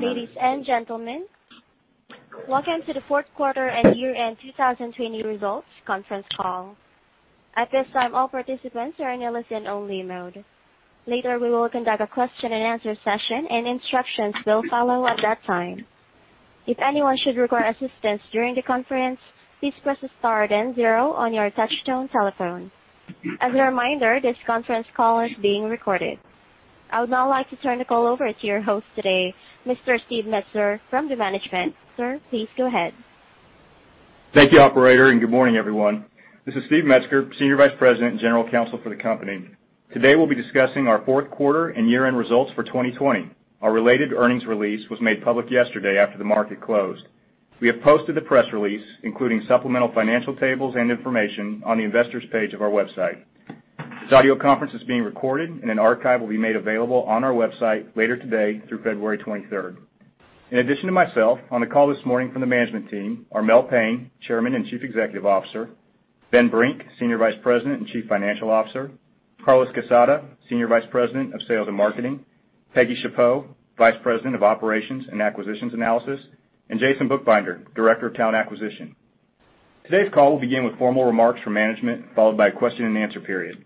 Ladies and gentlemen, welcome to the fourth quarter and year-end 2020 results conference call. I would now like to turn the call over to your host today, Mr. Steve Metzger from the management. Sir, please go ahead. Thank you, operator, and good morning, everyone. This is Steve Metzger, Senior Vice President and General Counsel for the company. Today, we'll be discussing our fourth quarter and year-end results for 2020. Our related earnings release was made public yesterday after the market closed. We have posted the press release, including supplemental financial tables and information, on the Investors page of our website. This audio conference is being recorded, and an archive will be made available on our website later today through February 23rd. In addition to myself, on the call this morning from the management team are Mel Payne, Chairman and Chief Executive Officer, Ben Brink, Senior Vice President and Chief Financial Officer, Carlos Quezada, Senior Vice President of Sales and Marketing, Peggy Schappaugh, Vice President of Operations and Acquisitions Analysis, and Jason Buchbinder, Director of Talent Acquisition. Today's call will begin with formal remarks from management, followed by a question-and-answer period.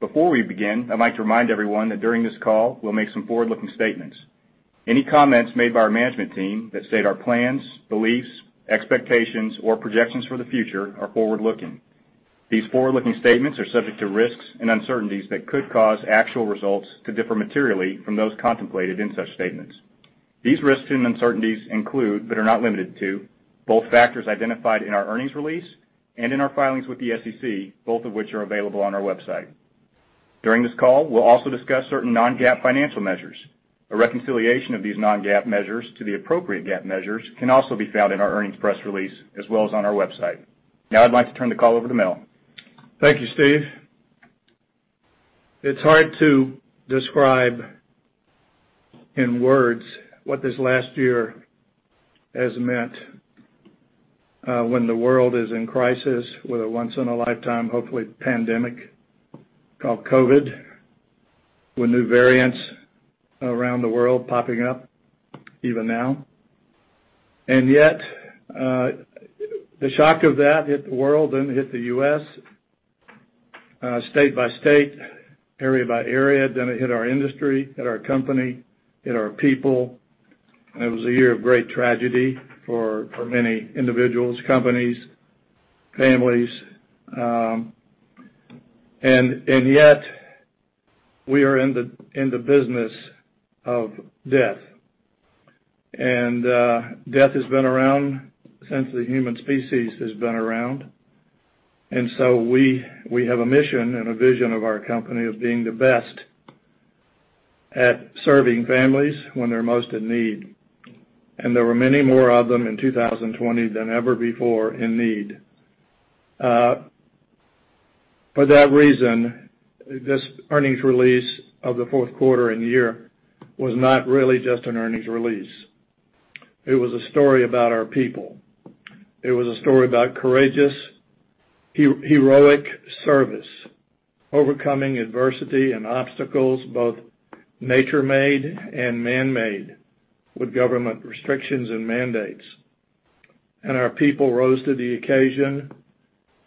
Before we begin, I'd like to remind everyone that during this call, we'll make some forward-looking statements. Any comments made by our management team that state our plans, beliefs, expectations, or projections for the future are forward-looking. These forward-looking statements are subject to risks and uncertainties that could cause actual results to differ materially from those contemplated in such statements. These risks and uncertainties include, but are not limited to, both factors identified in our earnings release and in our filings with the SEC, both of which are available on our website. During this call, we'll also discuss certain non-GAAP financial measures. A reconciliation of these non-GAAP measures to the appropriate GAAP measures can also be found in our earnings press release as well as on our website. Now I'd like to turn the call over to Mel. Thank you, Steve. It's hard to describe in words what this last year has meant, when the world is in crisis with a once in a lifetime, hopefully, pandemic called COVID, with new variants around the world popping up even now. The shock of that hit the world, then hit the U.S., state-by-state, area-by-area, then it hit our industry, hit our company, hit our people. It was a year of great tragedy for many individuals, companies, families. We are in the business of death. Death has been around since the human species has been around. We have a mission and a vision of our company of being the best at serving families when they're most in need. There were many more of them in 2020 than ever before in need. For that reason, this earnings release of the fourth quarter and year was not really just an earnings release. It was a story about our people. It was a story about courageous heroic service, overcoming adversity and obstacles, both nature-made and man-made, with government restrictions and mandates. Our people rose to the occasion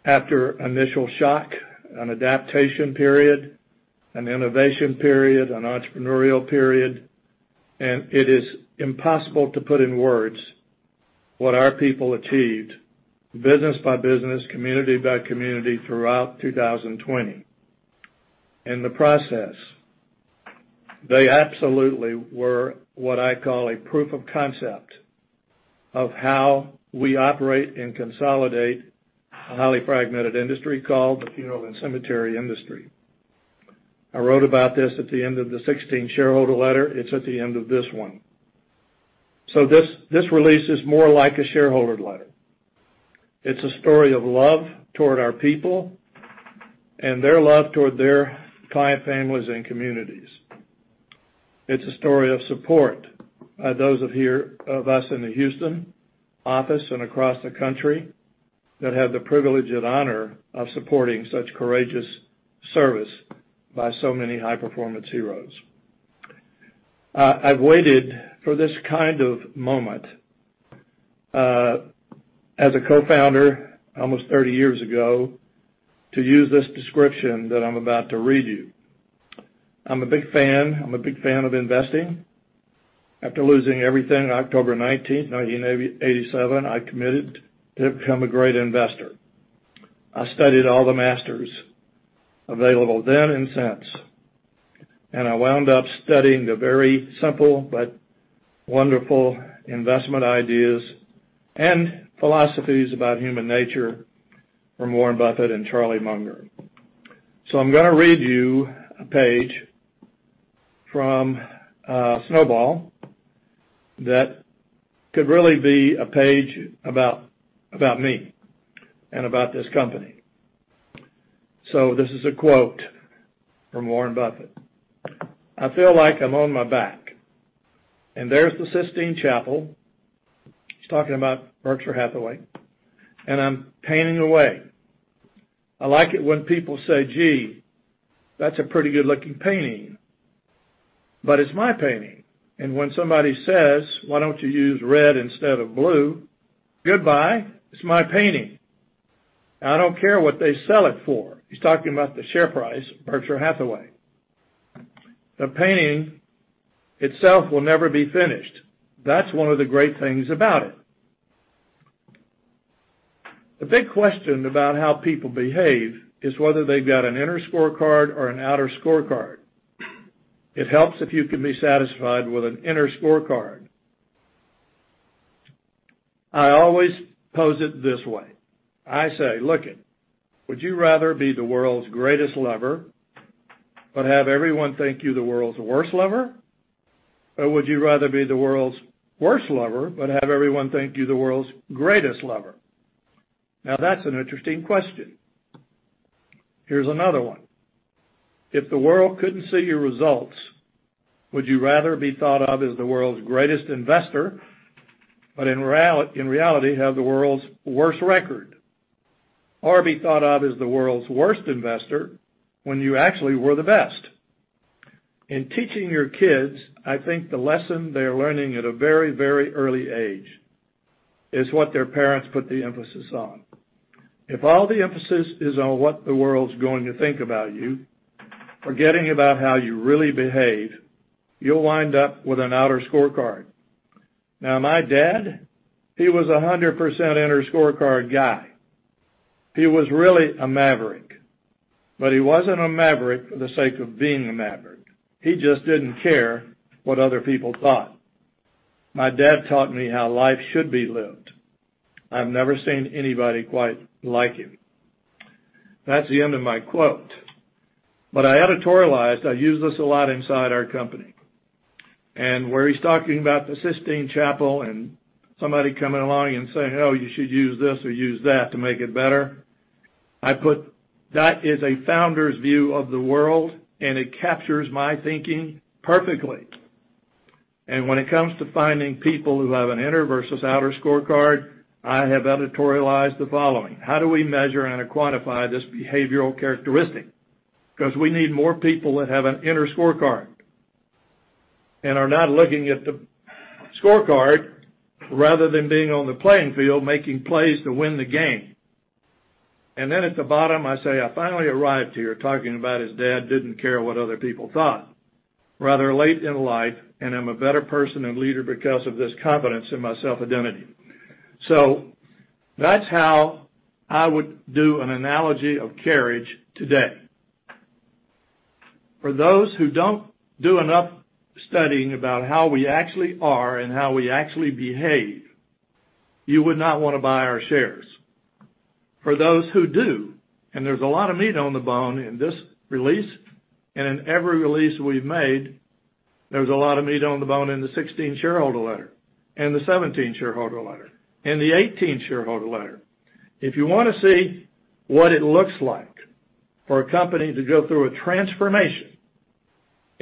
after initial shock, an adaptation period, an innovation period, an entrepreneurial period. It is impossible to put in words what our people achieved business-by-business, community-by-community, throughout 2020. In the process, they absolutely were what I call a proof of concept of how we operate and consolidate a highly fragmented industry called the Funeral and Cemetery industry. I wrote about this at the end of the 2016 shareholder letter. It's at the end of this one. This release is more like a shareholder letter. It's a story of love toward our people and their love toward their client families and communities. It's a story of support by those of us in the Houston office and across the country that have the privilege and honor of supporting such courageous service by so many high-performance heroes. I've waited for this kind of moment, as a Co-founder almost 30 years ago, to use this description that I'm about to read you. I'm a big fan of investing. After losing everything on October 19th, 1987, I committed to become a great investor. I studied all the masters available then and since, I wound up studying the very simple but wonderful investment ideas and philosophies about human nature from Warren Buffett and Charlie Munger. I'm gonna read you a page from, Snowball that could really be a page about me and about this company. This is a quote from Warren Buffett. I feel like I'm on my back, and there's the Sistine Chapel. He's talking about Berkshire Hathaway. And I'm painting away. I like it when people say, Gee, that's a pretty good-looking painting. But it's my painting, and when somebody says, Why don't you use red instead of blue? Goodbye. It's my painting. I don't care what they sell it for. He's talking about the share price of Berkshire Hathaway. The painting itself will never be finished. That's one of the great things about it. The big question about how people behave is whether they've got an inner scorecard or an outer scorecard. It helps if you can be satisfied with an inner scorecard. I always pose it this way. I say, Lookit, would you rather be the world's greatest lover but have everyone think you're the world's worst lover? Would you rather be the world's worst lover but have everyone think you're the world's greatest lover? That's an interesting question. Here's another one. If the world couldn't see your results, would you rather be thought of as the world's greatest investor, but in reality, have the world's worst record, or be thought of as the world's worst investor when you actually were the best? In teaching your kids, I think the lesson they are learning at a very early age is what their parents put the emphasis on. If all the emphasis is on what the world's going to think about you, forgetting about how you really behave, you'll wind up with an outer scorecard. My dad, he was 100% inner scorecard guy. He was really a maverick, but he wasn't a maverick for the sake of being a maverick. He just didn't care what other people thought. My dad taught me how life should be lived. I've never seen anybody quite like him. That's the end of my quote. I editorialized, I use this a lot inside our company, and where he's talking about the Sistine Chapel and somebody coming along and saying, Oh, you should use this or use that to make it better, I put, That is a founder's view of the world, and it captures my thinking perfectly. When it comes to finding people who have an inner versus outer scorecard, I have editorialized the following. How do we measure and quantify this behavioral characteristic? We need more people that have an inner scorecard and are not looking at the scorecard rather than being on the playing field, making plays to win the game. At the bottom, I say, I finally arrived here, talking about his dad, didn't care what other people thought, "rather late in life, and I'm a better person and leader because of this confidence in my self-identity. That's how I would do an analogy of Carriage today. For those who don't do enough studying about how we actually are and how we actually behave, you would not want to buy our shares. For those who do, and there's a lot of meat on the bone in this release and in every release we've made, there's a lot of meat on the bone in the 2016 shareholder letter and the 2017 shareholder letter and the 2018 shareholder letter. If you want to see what it looks like for a company to go through a transformation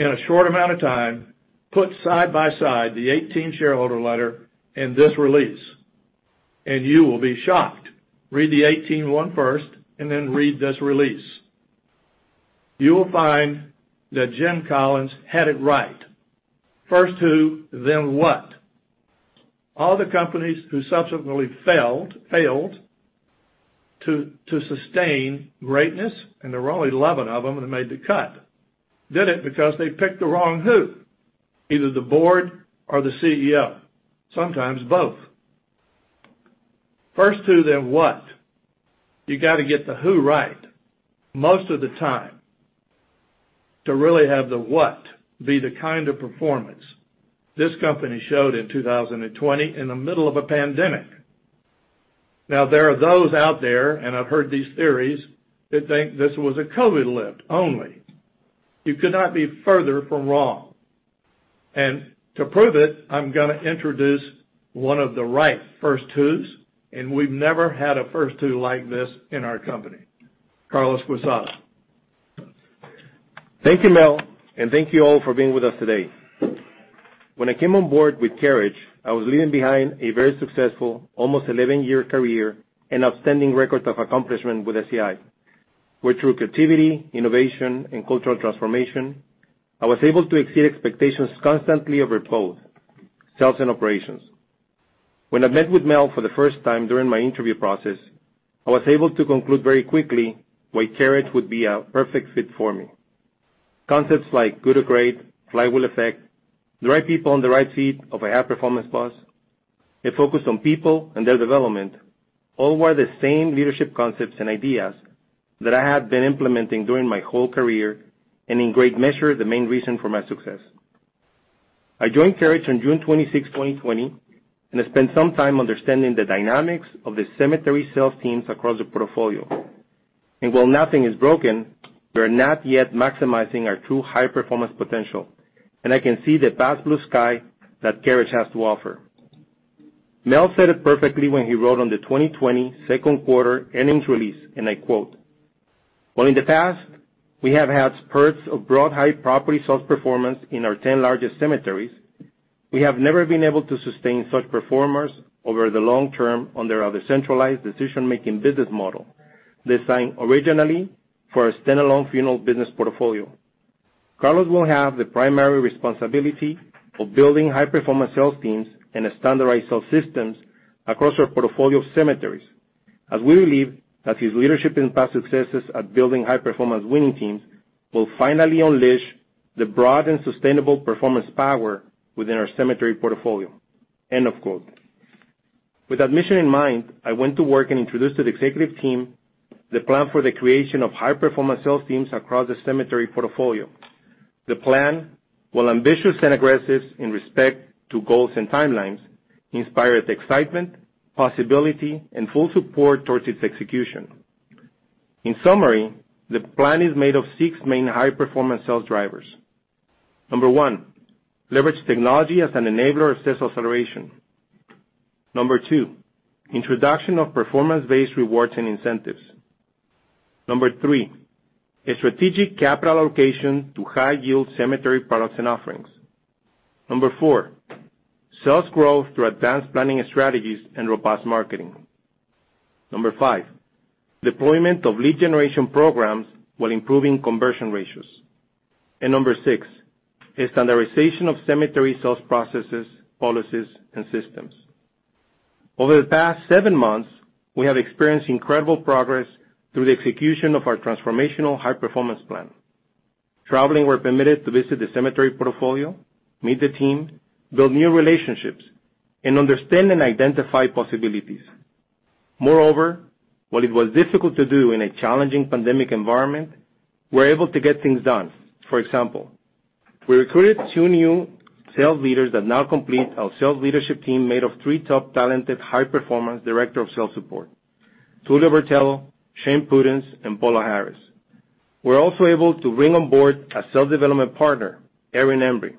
in a short amount of time, put side by side the 2018 shareholder letter and this release, and you will be shocked. Read the 2018 one first, and then read this release. You will find that Jim Collins had it right. First Who, Then What. All the companies who subsequently failed to sustain greatness, and there were only 11 of them that made the cut, did it because they picked the wrong who, either the Board or the CEO, sometimes both. First Who, Then What. You got to get the who right most of the time to really have the what be the kind of performance this company showed in 2020 in the middle of a pandemic. There are those out there, and I've heard these theories, that think this was a COVID lift only. You could not be further from wrong. To prove it, I'm going to introduce one of the right First Who's, and we've never had a First Who like this in our company, Carlos Quezada. Thank you, Mel, and thank you all for being with us today. When I came on board with Carriage, I was leaving behind a very successful, almost 11-year career and outstanding record of accomplishment with SCI, where through creativity, innovation, and cultural transformation, I was able to exceed expectations constantly over both sales and operations. When I met with Mel for the first time during my interview process, I was able to conclude very quickly why Carriage would be a perfect fit for me. Concepts like Good to Great, flywheel effect, the right people in the right seat of a high performance bus, a focus on people and their development, all were the same leadership concepts and ideas that I had been implementing during my whole career and in great measure, the main reason for my success. I joined Carriage on June 26, 2020, and I spent some time understanding the dynamics of the cemetery sales teams across the portfolio. While nothing is broken, we're not yet maximizing our true high-performance potential, and I can see the vast blue sky that Carriage has to offer. Mel said it perfectly when he wrote on the 2020 second quarter earnings release, and I quote, While in the past, we have had spurts of broad high property sales performance in our 10 largest cemeteries, we have never been able to sustain such performers over the long term under our decentralized decision-making business model designed originally for a standalone funeral business portfolio. Carlos will have the primary responsibility for building high-performance sales teams and standardized sales systems across our portfolio of cemeteries, as we believe that his leadership and past successes at building high-performance winning teams will finally unleash the broad and sustainable performance power within our cemetery portfolio. End of quote. With that mission in mind, I went to work and introduced to the executive team the plan for the creation of high-performance sales teams across the Cemetery portfolio. The plan, while ambitious and aggressive in respect to goals and timelines, inspired excitement, possibility, and full support towards its execution. In summary, the plan is made of six main high-performance sales drivers. Number one, leverage technology as an enabler of sales acceleration. Number two, introduction of performance-based rewards and incentives. Number three, a strategic capital allocation to high-yield cemetery products and offerings. Number four, sales growth through advanced planning strategies and robust marketing. Number five, deployment of lead generation programs while improving conversion ratios. Number six, a standardization of cemetery sales processes, policies, and systems. Over the past seven months, we have experienced incredible progress through the execution of our transformational high-performance plan. Traveling where permitted to visit the Cemetery portfolio, meet the team, build new relationships, and understand and identify possibilities. Moreover, while it was difficult to do in a challenging pandemic environment, we were able to get things done. For example, we recruited two new sales leaders that now complete our sales leadership team made of three top talented, high-performance Director of Sales Support, Tulio Bertello, Shane Pudenz, and Paula Harris. We were also able to bring on board a sales development partner, Erin Embree.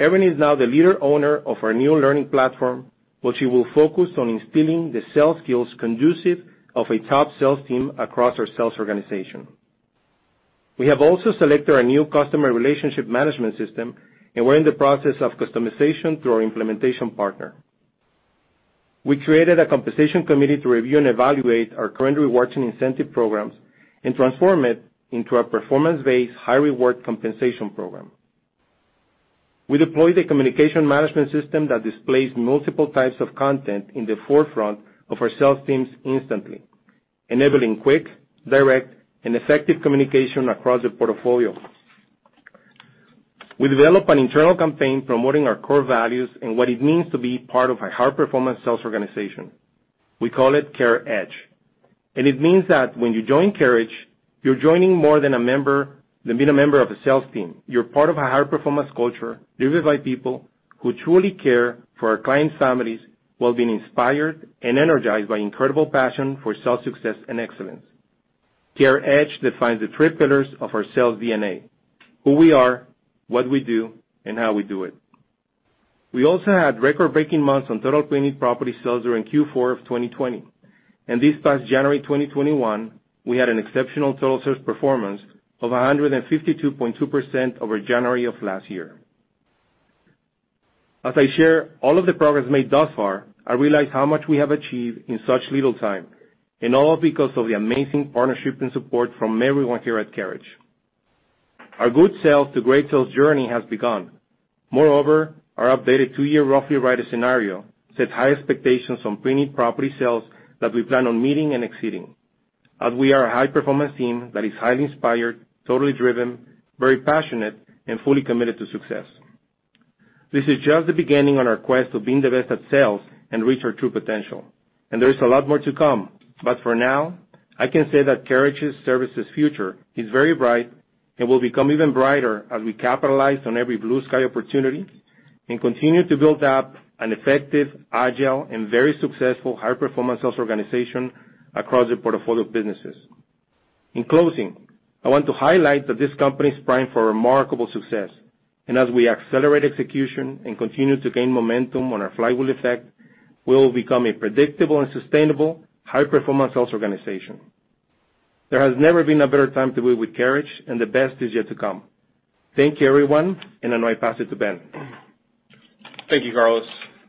Erin is now the leader owner of our new learning platform, where she will focus on instilling the sales skills conducive of a top sales team across our sales organization. We have also selected our new customer relationship management system, and we're in the process of customization through our implementation partner. We created a compensation committee to review and evaluate our current rewards and incentive programs and transform it into a performance-based, high-reward compensation program. We deployed a communication management system that displays multiple types of content in the forefront of our sales teams instantly, enabling quick, direct, and effective communication across the portfolio. We developed an internal campaign promoting our core values and what it means to be part of a high-performance sales organization. We call it CareEdge. It means that when you join Carriage, you're joining more than being a member of a sales team. You're part of a high-performance culture delivered by people who truly care for our clients' families while being inspired and energized by incredible passion for sales success and excellence. CareEdge defines the three pillars of our sales DNA, who we are, what we do, and how we do it. We also had record-breaking months on total preneed property sales during Q4 of 2020. This past January 2021, we had an exceptional total sales performance of 152.2% over January of last year. As I share all of the progress made thus far, I realize how much we have achieved in such little time, and all because of the amazing partnership and support from everyone here at Carriage. Our good sales to great sales journey has begun. Moreover, our updated two-year roughly right scenario sets high expectations on pre-need property sales that we plan on meeting and exceeding, as we are a high-performance team that is highly inspired, totally driven, very passionate, and fully committed to success. This is just the beginning on our quest of being the best at sales and reach our true potential, and there is a lot more to come. For now, I can say that Carriage Services' future is very bright and will become even brighter as we capitalize on every blue sky opportunity and continue to build up an effective, agile, and very successful high-performance sales organization across the portfolio of businesses. In closing, I want to highlight that this company is primed for remarkable success. As we accelerate execution and continue to gain momentum on our flywheel effect, we will become a predictable and sustainable high-performance sales organization. There has never been a better time to be with Carriage, and the best is yet to come. Thank you, everyone, and I now pass it to Ben. Thank you, Carlos.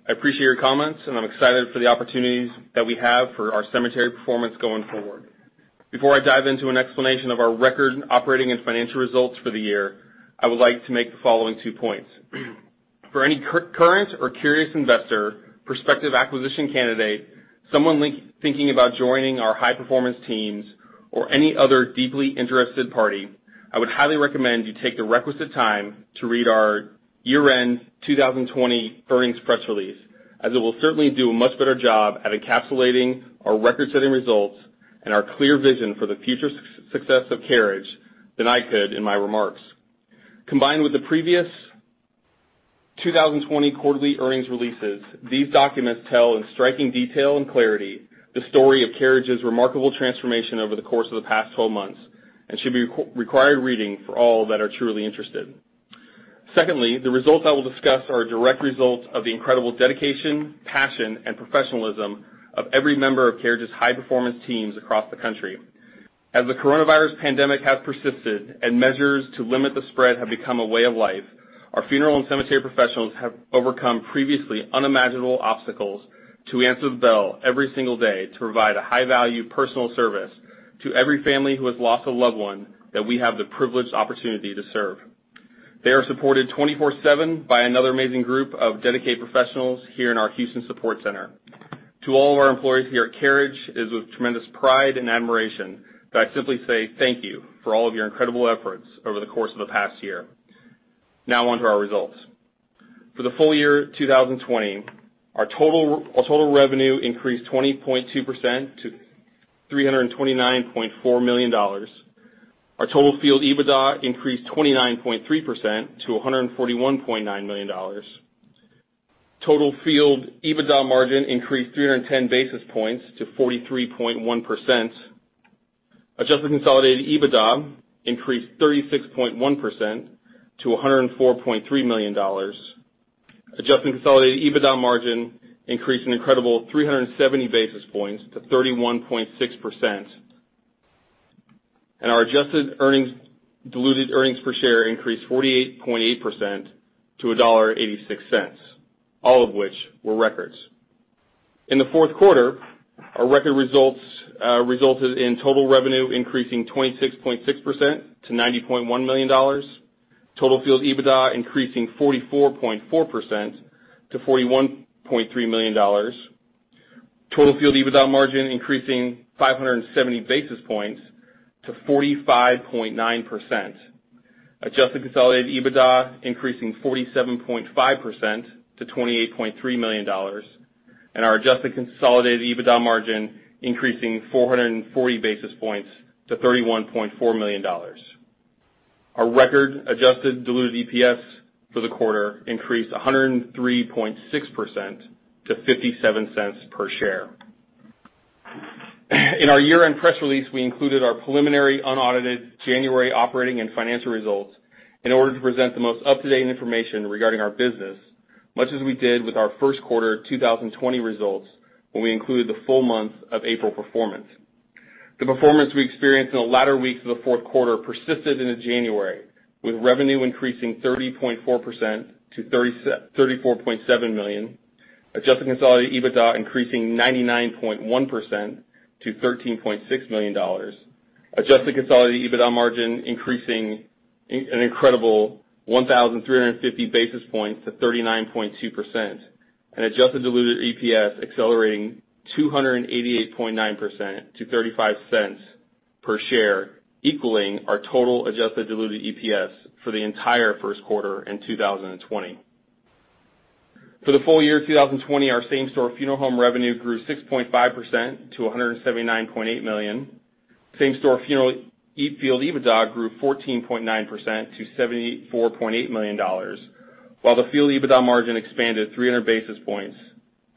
I appreciate your comments, and I'm excited for the opportunities that we have for our cemetery performance going forward. Before I dive into an explanation of our record operating and financial results for the year, I would like to make the following two points. For any current or curious investor, prospective acquisition candidate, someone thinking about joining our high-performance teams or any other deeply interested party, I would highly recommend you take the requisite time to read our year-end 2020 earnings press release, as it will certainly do a much better job at encapsulating our record-setting results and our clear vision for the future success of Carriage than I could in my remarks. Combined with the previous 2020 quarterly earnings releases, these documents tell in striking detail and clarity the story of Carriage's remarkable transformation over the course of the past 12 months and should be required reading for all that are truly interested. Secondly, the results I will discuss are a direct result of the incredible dedication, passion, and professionalism of every member of Carriage's high-performance teams across the country. As the coronavirus pandemic has persisted and measures to limit the spread have become a way of life, our funeral and cemetery professionals have overcome previously unimaginable obstacles to answer the bell every single day to provide a high-value personal service to every family who has lost a loved one that we have the privileged opportunity to serve. They are supported 24/7 by another amazing group of dedicated professionals here in our Houston support center. To all of our employees here at Carriage, it is with tremendous pride and admiration that I simply say thank you for all of your incredible efforts over the course of the past year. Now onto our results. For the full year 2020, our total revenue increased 20.2% to $329.4 million. Our total field EBITDA increased 29.3% to $141.9 million. Total field EBITDA margin increased 310 basis points to 43.1%. Adjusted consolidated EBITDA increased 36.1% to $104.3 million. Adjusted consolidated EBITDA margin increased an incredible 370 basis points to 31.6%. Our adjusted diluted earnings per share increased 48.8% to $1.86, all of which were records. In the fourth quarter, our record results resulted in total revenue increasing 26.6% to $90.1 million. Total field EBITDA increasing 44.4% to $41.3 million. Total field EBITDA margin increasing 570 basis points to 45.9%. Adjusted consolidated EBITDA increasing 47.5% to $28.3 million. Our adjusted consolidated EBITDA margin increasing 440 basis points to $31.4 million. Our record adjusted diluted EPS for the quarter increased 103.6% to $0.57 per share. In our year-end press release, we included our preliminary unaudited January operating and financial results in order to present the most up-to-date information regarding our business, much as we did with our first quarter 2020 results when we included the full month of April performance. The performance we experienced in the latter weeks of the fourth quarter persisted into January, with revenue increasing 30.4% to $34.7 million. Adjusted consolidated EBITDA increasing 99.1% to $13.6 million. Adjusted consolidated EBITDA margin increasing an incredible 1,350 basis points to 39.2%. Adjusted diluted EPS accelerating 288.9% to $0.35 per share, equaling our total adjusted diluted EPS for the entire first quarter in 2020. For the full year 2020, our same-store funeral home revenue grew 6.5% to $179.8 million. Same-store field EBITDA grew 14.9% to $74.8 million, while the field EBITDA margin expanded 300 basis points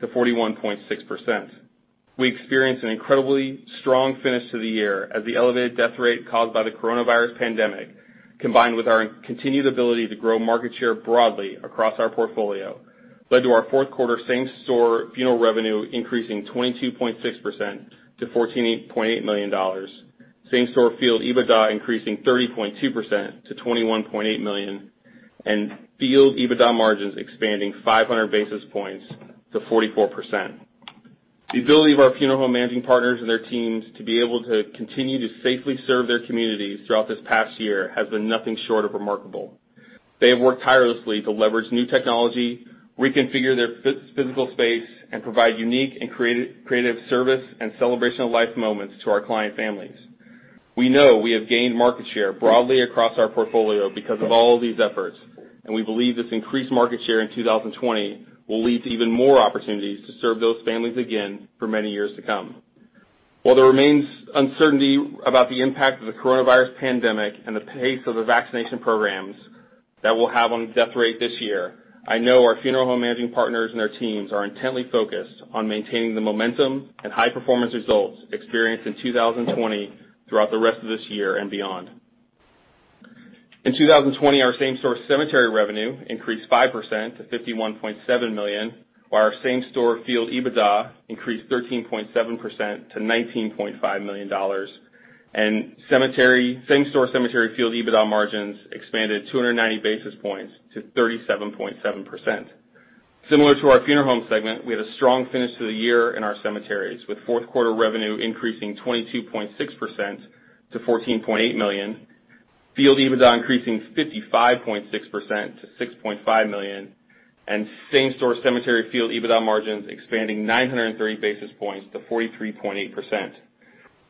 to 41.6%. We experienced an incredibly strong finish to the year as the elevated death rate caused by the coronavirus pandemic, combined with our continued ability to grow market share broadly across our portfolio, led to our fourth quarter same-store funeral revenue increasing 22.6% to $14.8 million. Same-store field EBITDA increasing 30.2% to $21.8 million and field EBITDA margins expanding 500 basis points to 44%. The ability of our funeral home Managing Partners and their teams to be able to continue to safely serve their communities throughout this past year has been nothing short of remarkable. They have worked tirelessly to leverage new technology, reconfigure their physical space, and provide unique and creative service and celebrational life moments to our client families. We know we have gained market share broadly across our portfolio because of all these efforts. We believe this increased market share in 2020 will lead to even more opportunities to serve those families again for many years to come. While there remains uncertainty about the impact of the coronavirus pandemic and the pace of the vaccination programs that will have on death rate this year, I know our funeral home Managing Partners and their teams are intently focused on maintaining the momentum and high-performance results experienced in 2020 throughout the rest of this year and beyond. In 2020, our same-store cemetery revenue increased 5% to $51.7 million, while our same-store field EBITDA increased 13.7% to $19.5 million. Same-store cemetery field EBITDA margins expanded 290 basis points to 37.7%. Similar to our funeral home segment, we had a strong finish to the year in our cemeteries, with fourth quarter revenue increasing 22.6% to $14.8 million, field EBITDA increasing 55.6% to $6.5 million, and same-store cemetery field EBITDA margins expanding 930 basis points to 43.8%.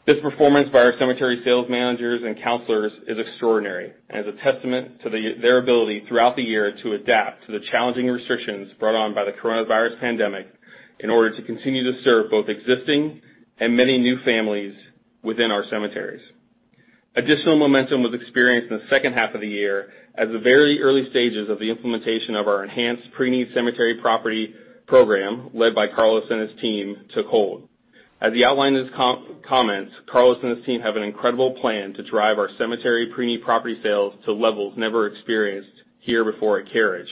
This performance by our cemetery Sales Managers and Counselors is extraordinary and is a testament to their ability throughout the year to adapt to the challenging restrictions brought on by the coronavirus pandemic in order to continue to serve both existing and many new families within our cemeteries. Additional momentum was experienced in the second half of the year as the very early stages of the implementation of our enhanced pre-need cemetery property program, led by Carlos and his team, took hold. As he outlined in his comments, Carlos and his team have an incredible plan to drive our cemetery pre-need property sales to levels never experienced here before at Carriage.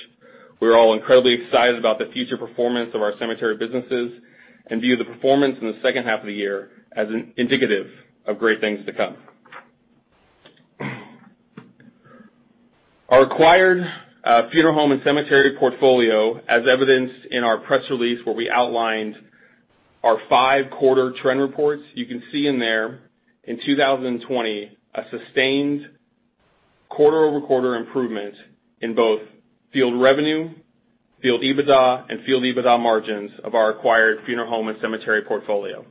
We're all incredibly excited about the future performance of our cemetery businesses and view the performance in the second half of the year as indicative of great things to come. Our acquired funeral home and cemetery portfolio, as evidenced in our press release, where we outlined our five-quarter trend reports. You can see in there, in 2020, a sustained quarter-over-quarter improvement in both field revenue, field EBITDA, and field EBITDA margins of our acquired Funeral home and Cemetery portfolio.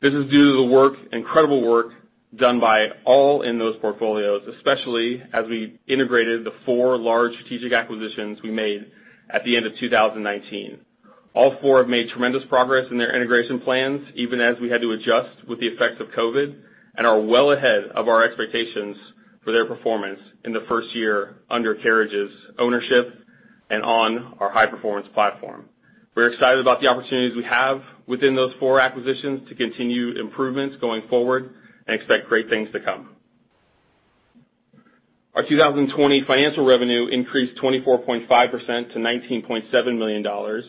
This is due to the incredible work done by all in those portfolios, especially as we integrated the four large strategic acquisitions we made at the end of 2019. All four have made tremendous progress in their integration plans, even as we had to adjust with the effects of COVID, and are well ahead of our expectations for their performance in the first year under Carriage's ownership and on our high-performance platform. We're excited about the opportunities we have within those four acquisitions to continue improvements going forward and expect great things to come. Our 2020 financial revenue increased 24.5% to $19.7 million.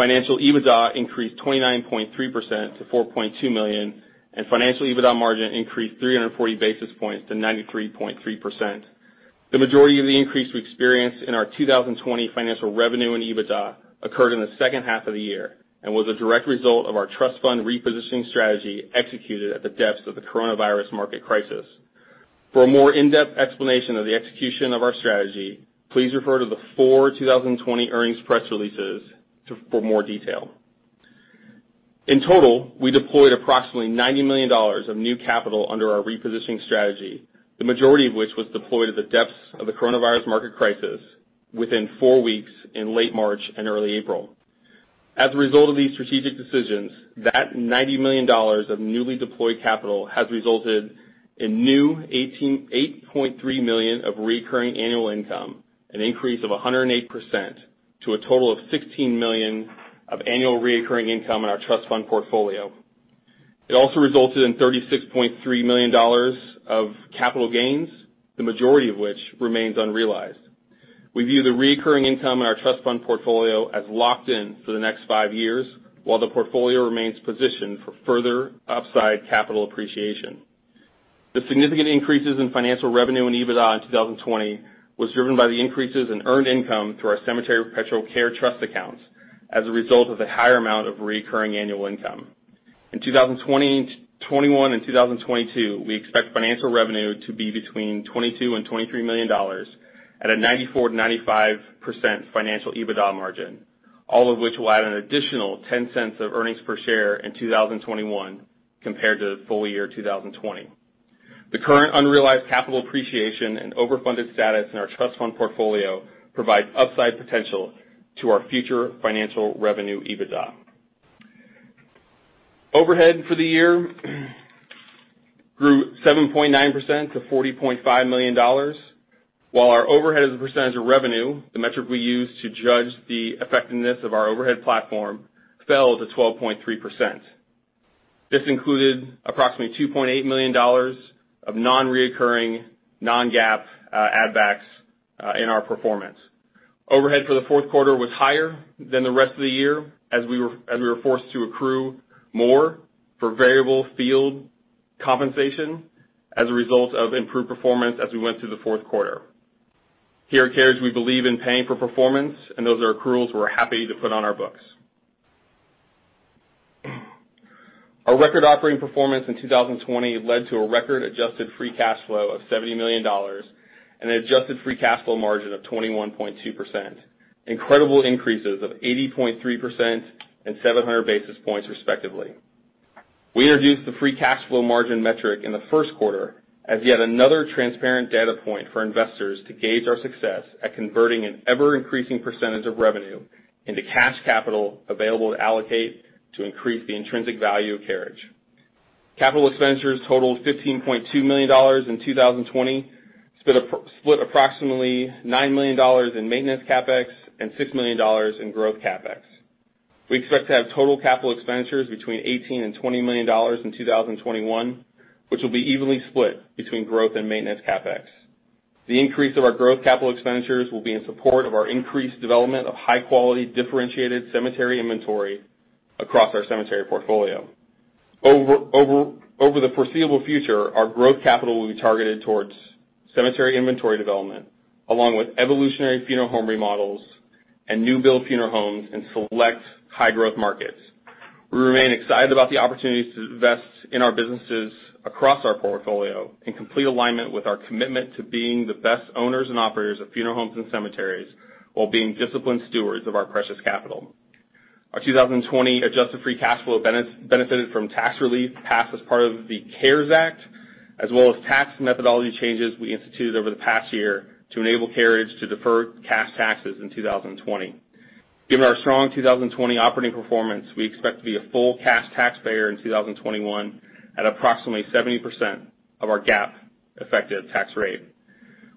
Financial EBITDA increased 29.3% to $4.2 million, and financial EBITDA margin increased 340 basis points to 93.3%. The majority of the increase we experienced in our 2020 financial revenue and EBITDA occurred in the second half of the year and was a direct result of our trust fund repositioning strategy executed at the depths of the coronavirus market crisis. For a more in-depth explanation of the execution of our strategy, please refer to the four 2020 earnings press releases for more detail. In total, we deployed approximately $90 million of new capital under our repositioning strategy, the majority of which was deployed at the depths of the coronavirus market crisis within four weeks in late March and early April. As a result of these strategic decisions, that $90 million of newly deployed capital has resulted in new $8.3 million of reoccurring annual income, an increase of 108% to a total of $16 million of annual reoccurring income in our trust fund portfolio. It also resulted in $36.3 million of capital gains, the majority of which remains unrealized. We view the reoccurring income in our trust fund portfolio as locked in for the next five years, while the portfolio remains positioned for further upside capital appreciation. The significant increases in financial revenue and EBITDA in 2020 was driven by the increases in earned income through our cemetery Perpetual care trust accounts as a result of the higher amount of reoccurring annual income. In 2021 and 2022, we expect financial revenue to be between $22 million and $23 million at a 94%-95% financial EBITDA margin, all of which will add an additional $0.10 of earnings per share in 2021 compared to full year 2020. The current unrealized capital appreciation and overfunded status in our trust fund portfolio provide upside potential to our future financial revenue EBITDA. Overhead for the year grew 7.9% to $40.5 million, while our overhead as a percentage of revenue, the metric we use to judge the effectiveness of our overhead platform, fell to 12.3%. This included approximately $2.8 million of non-reoccurring, non-GAAP add backs in our performance. Overhead for the fourth quarter was higher than the rest of the year as we were forced to accrue more for variable field compensation as a result of improved performance as we went through the fourth quarter. Here at Carriage, we believe in paying for performance. Those are accruals we're happy to put on our books. Our record operating performance in 2020 led to a record adjusted free cash flow of $70 million and an adjusted free cash flow margin of 21.2%. Incredible increases of 80.3% and 700 basis points, respectively. We introduced the free cash flow margin metric in the first quarter as yet another transparent data point for investors to gauge our success at converting an ever-increasing percentage of revenue into cash capital available to allocate to increase the intrinsic value of Carriage. Capital expenditures totaled $15.2 million in 2020, split approximately $9 million in maintenance CapEx and $6 million in growth CapEx. We expect to have total capital expenditures between $18 million and $20 million in 2021, which will be evenly split between growth and maintenance CapEx. The increase of our growth capital expenditures will be in support of our increased development of high-quality, differentiated cemetery inventory across our cemetery portfolio. Over the foreseeable future, our growth capital will be targeted towards cemetery inventory development, along with evolutionary funeral home remodels and new build funeral homes in select high-growth markets. We remain excited about the opportunities to invest in our businesses across our portfolio in complete alignment with our commitment to being the best owners and operators of funeral homes and cemeteries while being disciplined stewards of our precious capital. Our 2020 adjusted free cash flow benefited from tax relief passed as part of the CARES Act, as well as tax methodology changes we instituted over the past year to enable Carriage to defer cash taxes in 2020. Given our strong 2020 operating performance, we expect to be a full cash taxpayer in 2021 at approximately 70% of our GAAP-effective tax rate.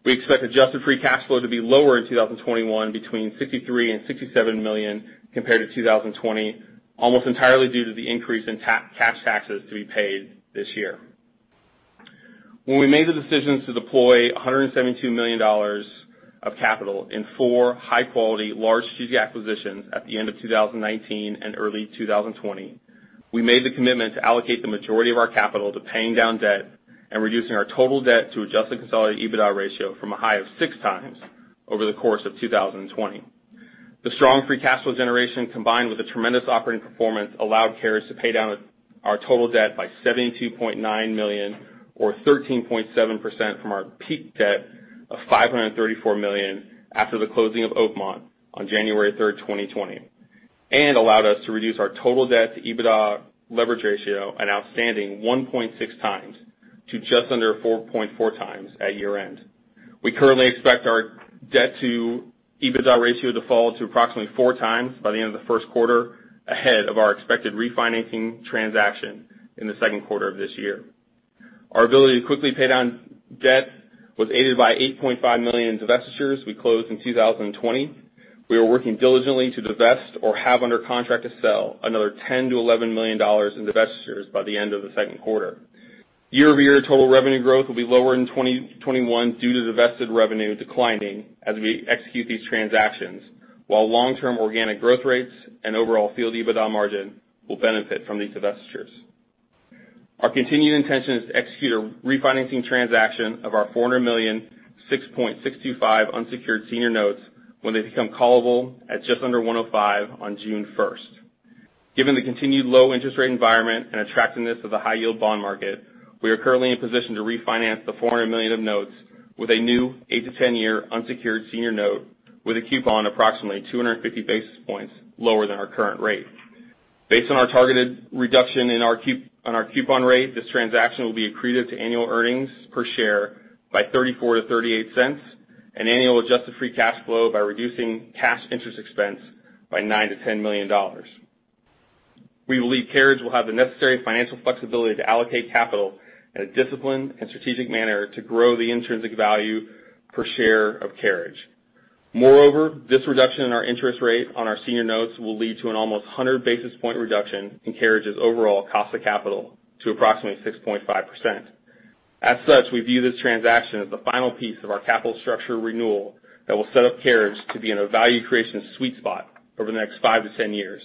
We expect adjusted free cash flow to be lower in 2021 between $63 million and $67 million compared to 2020, almost entirely due to the increase in cash taxes to be paid this year. When we made the decisions to deploy $172 million of capital in four high-quality, large strategic acquisitions at the end of 2019 and early 2020, we made the commitment to allocate the majority of our capital to paying down debt and reducing our total debt-to-adjusted consolidated EBITDA ratio from a high of 6x over the course of 2020. The strong free cash flow generation, combined with the tremendous operating performance, allowed Carriage to pay down our total debt by $72.9 million, or 13.7% from our peak debt of $534 million after the closing of Oakmont on January 3rd, 2020, and allowed us to reduce our total debt-to-EBITDA leverage ratio, an outstanding 1.6x times to just under 4.4x at year-end. We currently expect our debt-to-EBITDA ratio to fall to approximately 4x by the end of the first quarter, ahead of our expected refinancing transaction in the second quarter of this year. Our ability to quickly pay down debt was aided by $8.5 million in divestitures we closed in 2020. We are working diligently to divest or have under contract to sell another $10 million-$11 million in divestitures by the end of the second quarter. Year-over-year total revenue growth will be lower in 2021 due to divested revenue declining as we execute these transactions, while long-term organic growth rates and overall field EBITDA margin will benefit from these divestitures. Our continued intention is to execute a refinancing transaction of our $400 million, 6.625% unsecured senior notes when they become callable at just under 105% on June 1st. Given the continued low interest rate environment and attractiveness of the high-yield bond market, we are currently in position to refinance the $400 million of notes with a new 8-to 10-year unsecured senior note with a coupon approximately 250 basis points lower than our current rate. Based on our targeted reduction on our coupon rate, this transaction will be accretive to annual earnings per share by $0.34 to $0.38, and annual adjusted free cash flow by reducing cash interest expense by $9 million-$10 million. We believe Carriage will have the necessary financial flexibility to allocate capital in a disciplined and strategic manner to grow the intrinsic value per share of Carriage. This reduction in our interest rate on our senior notes will lead to an almost 100 basis point reduction in Carriage's overall cost-of-capital to approximately 6.5%. We view this transaction as the final piece of our capital structure renewal that will set up Carriage to be in a value creation sweet spot over the next 5 to 10 years.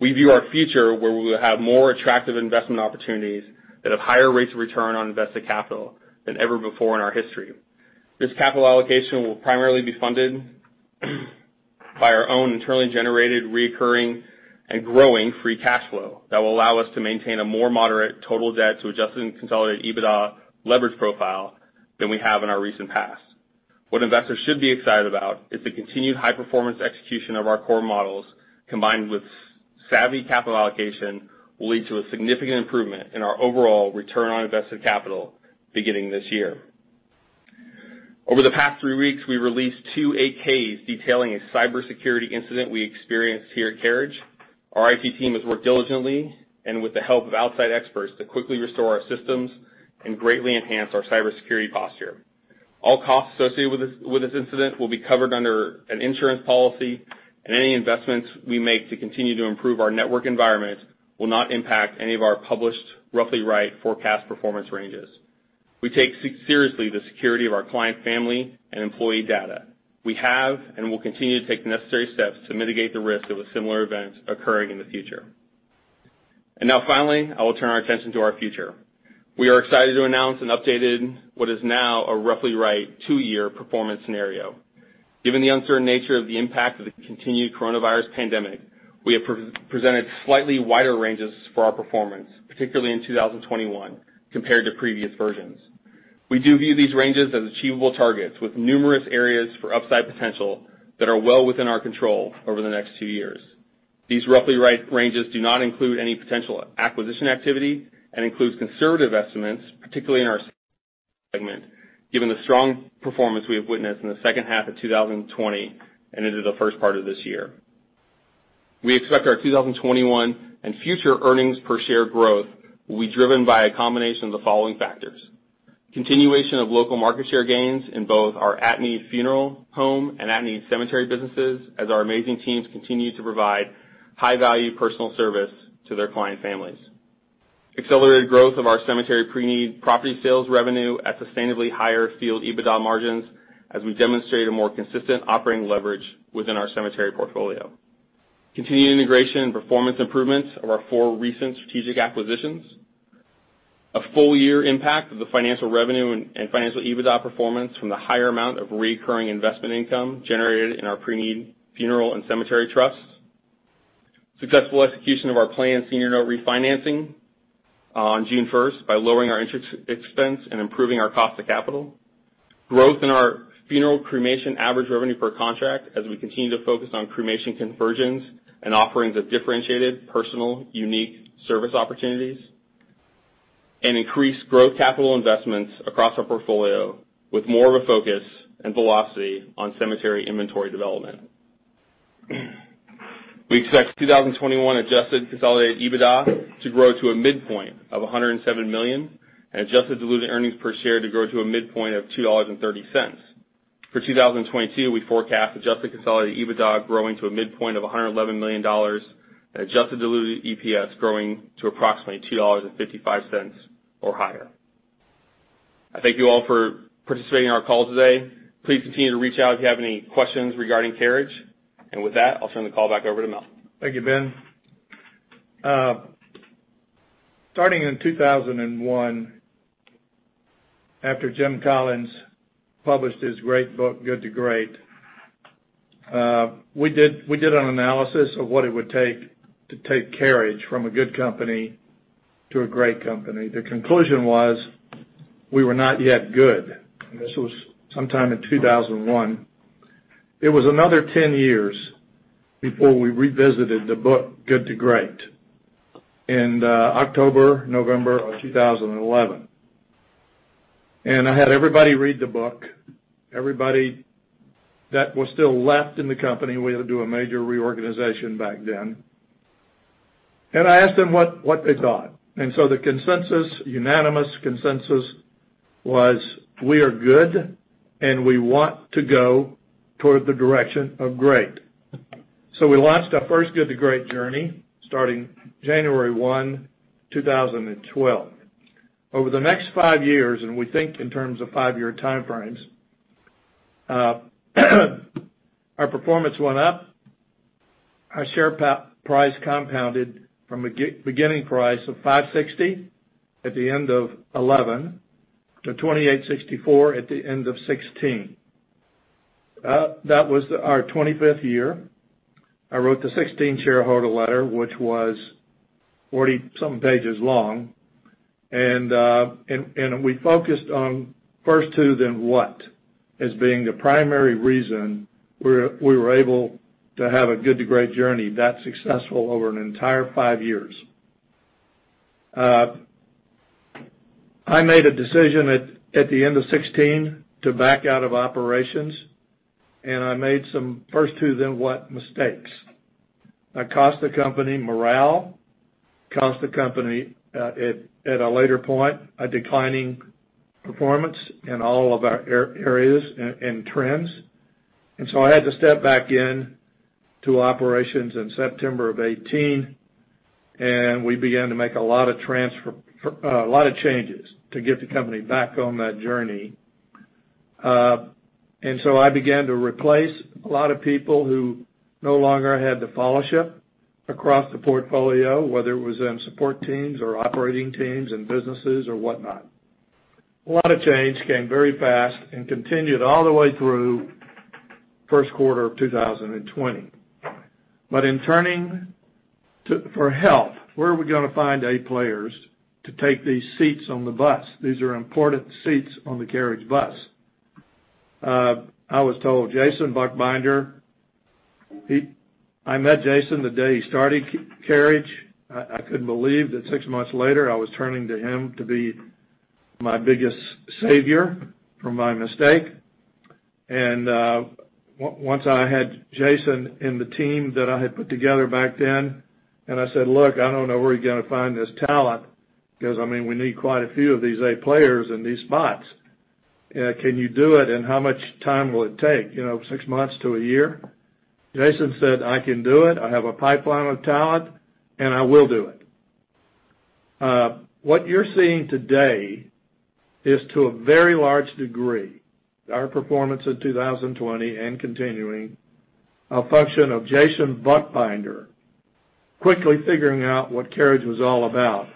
We view our future where we will have more attractive investment opportunities that have higher rates of return on invested capital than ever before in our history. This capital allocation will primarily be funded by our own internally generated, reoccurring, and growing free cash flow that will allow us to maintain a more moderate total debt-to-adjusted and consolidated EBITDA leverage profile than we have in our recent past. What investors should be excited about is the continued high-performance execution of our core models, combined with savvy capital allocation, will lead to a significant improvement in our overall return on invested capital beginning this year. Over the past three weeks, we released two 8-Ks detailing a cybersecurity incident we experienced here at Carriage. Our IT team has worked diligently and with the help of outside experts, to quickly restore our systems and greatly enhance our cybersecurity posture. All costs associated with this incident will be covered under an insurance policy, and any investments we make to continue to improve our network environment will not impact any of our published roughly right forecast performance ranges. We take seriously the security of our client family and employee data. We have and will continue to take the necessary steps to mitigate the risk of a similar event occurring in the future. Now finally, I will turn our attention to our future. We are excited to announce an updated, what is now a roughly right two-year performance scenario. Given the uncertain nature of the impact of the continued coronavirus pandemic, we have presented slightly wider ranges for our performance, particularly in 2021, compared to previous versions. We do view these ranges as achievable targets with numerous areas for upside potential that are well within our control over the next two years. These roughly right ranges do not include any potential acquisition activity and includes conservative estimates, particularly in our segment, given the strong performance we have witnessed in the second half of 2020 and into the first part of this year. We expect our 2021 and future earnings per share growth will be driven by a combination of the following factors: Continuation of local market share gains in both our at-need funeral home and at-need cemetery businesses as our amazing teams continue to provide high-value personal service to their client families. Accelerated growth of our cemetery pre-need property sales revenue at sustainably higher field EBITDA margins as we demonstrate a more consistent operating leverage within our cemetery portfolio. Continued integration and performance improvements of our four recent strategic acquisitions. A full-year impact of the financial revenue and financial EBITDA performance from the higher amount of reoccurring investment income generated in our pre-need funeral and cemetery trusts. Successful execution of our planned senior note refinancing on June 1st by lowering our interest expense and improving our cost of capital. Growth in our funeral cremation average revenue per contract as we continue to focus on cremation conversions and offerings of differentiated, personal, unique service opportunities. Increased growth capital investments across our portfolio with more of a focus and velocity on cemetery inventory development. We expect 2021 adjusted consolidated EBITDA to grow to a midpoint of $107 million and adjusted diluted earnings per share to grow to a midpoint of $2.30. For 2022, we forecast adjusted consolidated EBITDA growing to a midpoint of $111 million, and adjusted diluted EPS growing to approximately $2.55 or higher. I thank you all for participating in our call today. Please continue to reach out if you have any questions regarding Carriage. With that, I'll turn the call back over to Mel. Thank you, Ben. Starting in 2001, after Jim Collins published his great book, Good to Great, we did an analysis of what it would take to take Carriage from a good company to a great company. The conclusion was we were not yet good, and this was sometime in 2001. It was another 10 years before we revisited the book, Good to Great in October-November of 2011. I had everybody read the book, everybody that was still left in the company. We had to do a major reorganization back then. I asked them what they thought, the consensus, unanimous consensus was, we are good, and we want to go toward the direction of great. We launched our first Good to Great Journey starting January 1, 2012. Over the next five years, and we think in terms of five-year time frames, our performance went up. Our share price compounded from beginning price of $5.60 at the end of 2011 to $28.64 at the end of 2016. That was our 25th year. I wrote the 2016 shareholder letter, which was 40-something pages long. We focused on First Who, Then What, as being the primary reason we were able to have a Good to Great journey that successful over an entire five years. I made a decision at the end of 2016 to back out of operations. I made some First Who, Then What mistakes. That cost the company morale, cost the company, at a later point, a declining performance in all of our areas and trends. I had to step back in to operations in September of 2018. We began to make a lot of changes to get the company back on that journey. I began to replace a lot of people who no longer had the follow ship across the portfolio, whether it was in support teams or operating teams and businesses or whatnot. A lot of change came very fast and continued all the way through first quarter of 2020. In turning for help, where are we gonna find A players to take these seats on the bus? These are important seats on the Carriage bus. I was told Jason Buchbinder. I met Jason the day he started Carriage. I couldn't believe that six months later, I was turning to him to be my biggest savior from my mistake. Once I had Jason and the team that I had put together back then, I said, Look, I don't know where you're gonna find this talent, because, I mean, we need quite a few of these A players in these spots. Can you do it, and how much time will it take? Six months to a year? Jason said, I can do it. I have a pipeline of talent, and I will do it. What you're seeing today is to a very large degree, our performance in 2020 and continuing, a function of Jason Buchbinder quickly figuring out what Carriage was all about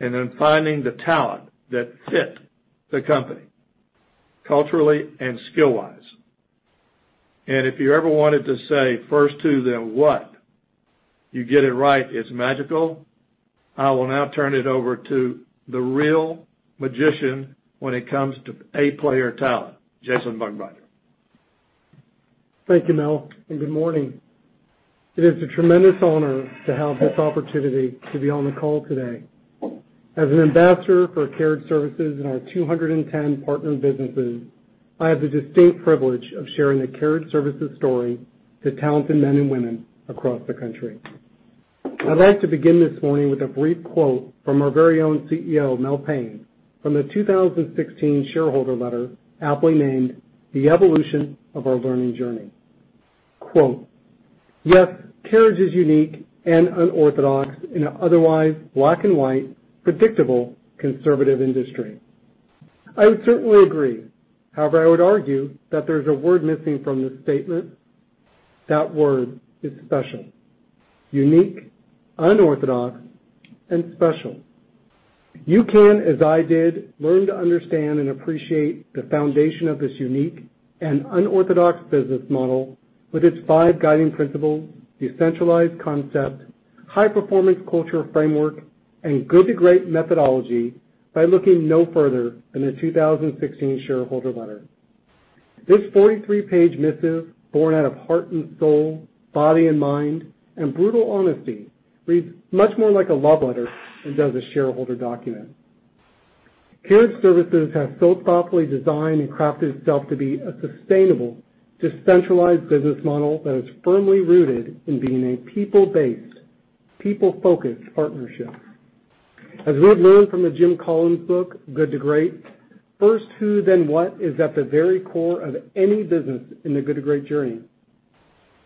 and then finding the talent that fit the company, culturally and skill-wise. If you ever wanted to say, First Who, Then What, you get it right, it's magical. I will now turn it over to the real magician when it comes to A-player talent, Jason Buchbinder. Thank you, Mel, and good morning. It is a tremendous honor to have this opportunity to be on the call today. As an Ambassador for Carriage Services and our 210 partner businesses, I have the distinct privilege of sharing the Carriage Services story to talented men and women across the country. I would like to begin this morning with a brief quote from our very own CEO, Mel Payne, from the 2016 shareholder letter aptly named The Evolution of Our Learning Journey. Quote, yes, Carriage is unique and unorthodox in an otherwise black-and-white, predictable, conservative industry. I would certainly agree. However, I would argue that there is a word missing from this statement. That word is special. Unique, unorthodox, and special. You can, as I did, learn to understand and appreciate the foundation of this unique and unorthodox business model with its five guiding principles, decentralized concept, high-performance culture framework, and Good to Great methodology by looking no further than the 2016 shareholder letter. This 43-page missive, born out of heart and soul, body and mind, and brutal honesty, reads much more like a love letter than it does a shareholder document. Carriage Services has so thoughtfully designed and crafted itself to be a sustainable, decentralized business model that is firmly rooted in being a people-based, people-focused partnership. As we have learned from the Jim Collins book, Good to Great, First Who, Then What is at the very core of any business in the Good to Great journey.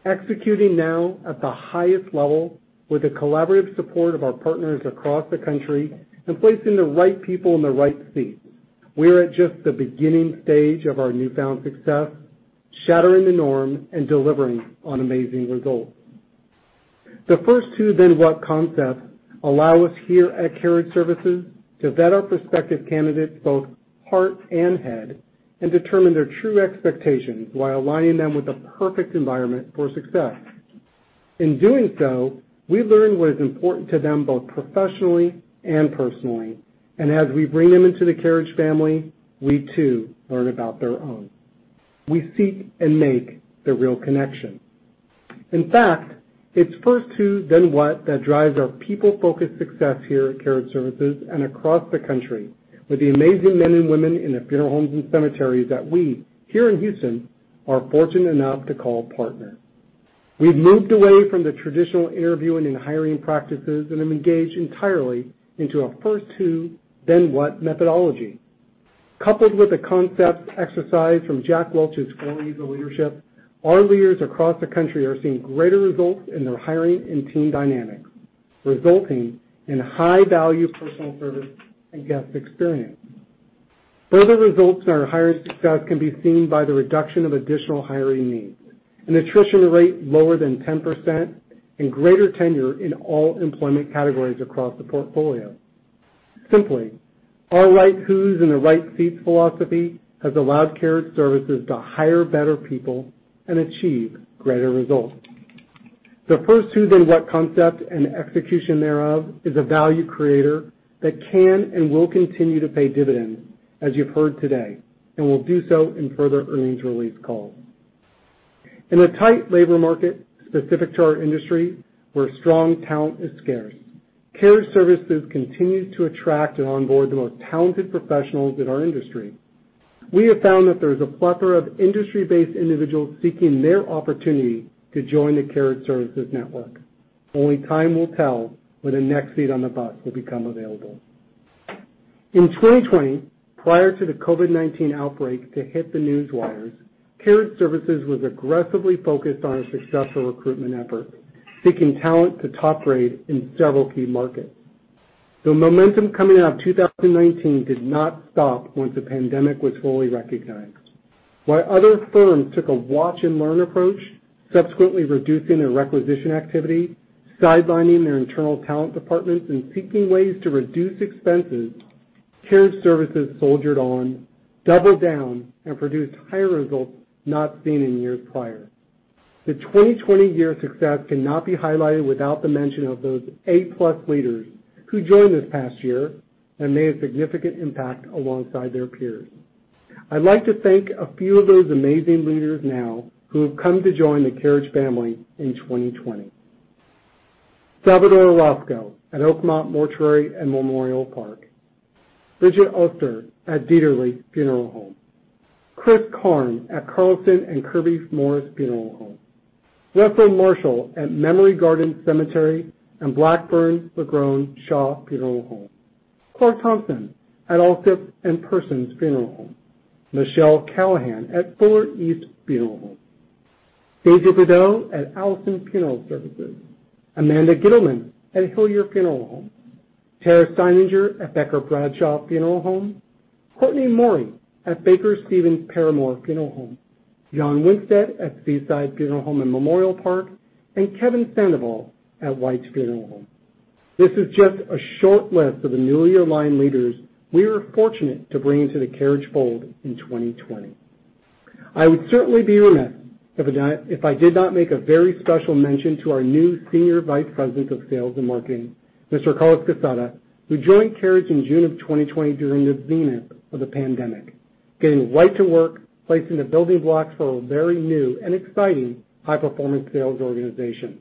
Executing now at the highest level with the collaborative support of our partners across the country and placing the right people in the right seats. We are at just the beginning stage of our newfound success, shattering the norm and delivering on amazing results. The First Who, Then What concept allow us here at Carriage Services to vet our prospective candidates, both heart and head, and determine their true expectations while aligning them with the perfect environment for success. In doing so, we learn what is important to them, both professionally and personally, and as we bring them into the Carriage family, we too learn about their own. We seek and make the real connection. In fact, it's First Who, Then What that drives our people-focused success here at Carriage Services and across the country with the amazing men and women in the funeral homes and cemeteries that we, here in Houston, are fortunate enough to call partners. We've moved away from the traditional interviewing and hiring practices and have engaged entirely into a First Who, Then What methodology. Coupled with the concepts exercised from Jack Welch's Four Rules of Leadership, our leaders across the country are seeing greater results in their hiring and team dynamics, resulting in high-value personal service and guest experience. Further results in our hiring success can be seen by the reduction of additional hiring needs, an attrition rate lower than 10%, and greater tenure in all employment categories across the portfolio. Simply, our right whos in the right seats philosophy has allowed Carriage Services to hire better people and achieve greater results. The First Who, Then What concept and execution thereof is a value creator that can and will continue to pay dividends, as you've heard today, and will do so in further earnings release calls. In a tight labor market specific to our industry, where strong talent is scarce, Carriage Services continues to attract and onboard the most talented professionals in our industry. We have found that there is a plethora of industry-based individuals seeking their opportunity to join the Carriage Services network. Only time will tell when the next seat on the bus will become available. In 2020, prior to the COVID-19 outbreak to hit the newswires, Carriage Services was aggressively focused on a successful recruitment effort, seeking talent to top-grade in several key markets. The momentum coming out of 2019 did not stop once the pandemic was fully recognized. While other firms took a watch and learn approach, subsequently reducing their requisition activity, sidelining their internal talent departments, and seeking ways to reduce expenses, Carriage Services soldiered on, doubled down, and produced higher results not seen in years prior. The 2020 year success cannot be highlighted without the mention of those A+ leaders who joined this past year and made a significant impact alongside their peers. I'd like to thank a few of those amazing leaders now who have come to join the Carriage family in 2020. Salvador Orozco at Oakmont Mortuary & Memorial Park. Bridgette Oester at Dieterle Funeral Home. Chris Karn at Carlson & Kirby-Morris Funeral Home. Rutherford Marshall at Memory Gardens Cemetery and Blackburn-LaGrone-Shaw Funeral Homes. Clarke Thomson at Alsip & Persons Funeral Homes. Michelle Callahan at Fuller East Funeral Home. AJ Brideau at Allison Funeral Services. Amanda Gittleman at Hillier Funeral Home. Tara Steininger at Becker-Bradshaw Funeral Home. Courtney Maury at Baker-Stevens-Parramore Funeral Home. John Winstead at Seaside Funeral Home and Memorial Park, and Kevin Sandoval at White's Funeral Home. This is just a short list of the newly aligned leaders we are fortunate to bring into the Carriage fold in 2020. I would certainly be remiss if I did not make a very special mention to our new Senior Vice President of Sales and Marketing, Mr. Carlos Quezada, who joined Carriage in June of 2020 during the zenith of the pandemic, getting right to work placing the building blocks for a very new and exciting high-performance sales organization.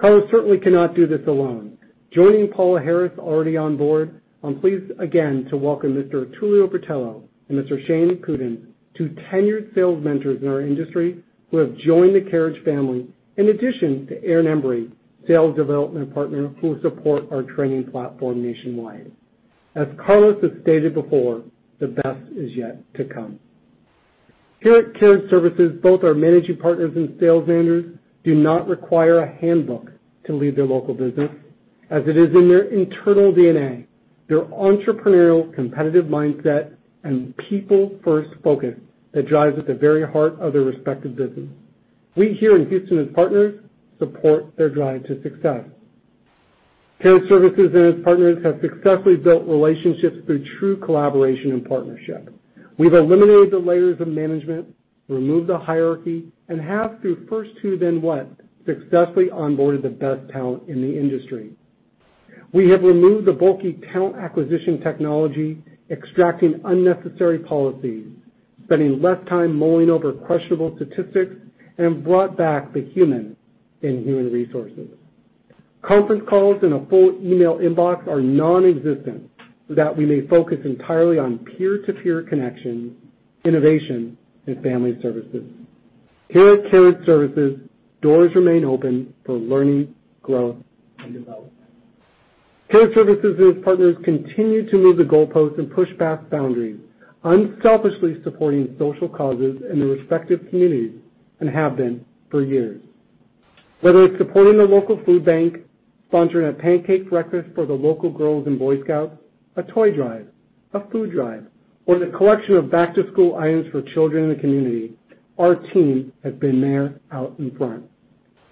Carlos certainly cannot do this alone. Joining Paula Harris already on board, I'm pleased again to welcome Mr. Tulio Bertello and Mr. Shane Coodin, two tenured sales mentors in our industry who have joined the Carriage family, in addition to Erin Embree, Sales Development Partner who will support our training platform nationwide. As Carlos has stated before, the best is yet to come. Here at Carriage Services, both our Managing Partners and sales managers do not require a handbook to lead their local business as it is in their internal DNA, their entrepreneurial competitive mindset, and people first focus that drives at the very heart of their respective business. We here in Houston as partners support their drive to success. Carriage Services and its partners have successfully built relationships through true collaboration and partnership. We've eliminated the layers of management, removed the hierarchy, and have, through First Who, Then What, successfully onboarded the best talent in the industry. We have removed the bulky talent acquisition technology, extracting unnecessary policies, spending less time mulling over questionable statistics, and brought back the human in human resources. Conference calls and a full email inbox are non-existent so that we may focus entirely on peer-to-peer connections, innovation, and family services. Here at Carriage Services, doors remain open for learning, growth, and development. Carriage Services and its partners continue to move the goalposts and push past boundaries, unselfishly supporting social causes in their respective communities, and have been for years. Whether it's supporting the local food bank, sponsoring a pancake breakfast for the local Girls and Boy Scouts, a toy-drive, a food-drive, or the collection of back-to-school items for children in the community, our team has been there out in front.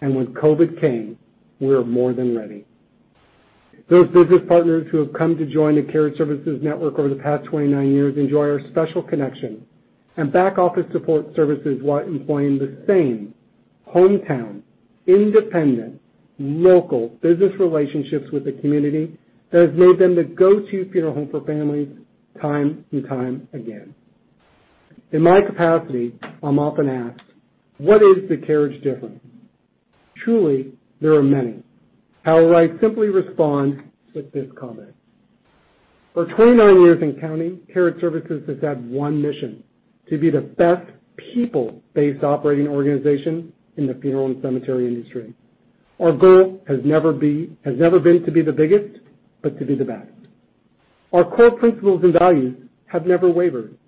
When COVID came, we were more than ready. Those business partners who have come to join the Carriage Services network over the past 29 years enjoy our special connection and back office support services while employing the same hometown independent local business relationships with the community that has made them the go-to funeral home for families time and time again. In my capacity, I'm often asked, What is the Carriage difference? Truly, there are many. However, I simply respond with this comment. For 29 years and counting, Carriage Services has had one mission, to be the best people-based operating organization in the funeral and cemetery industry. Our goal has never been to be the biggest, but to be the best. Our core principles and values have never wavered.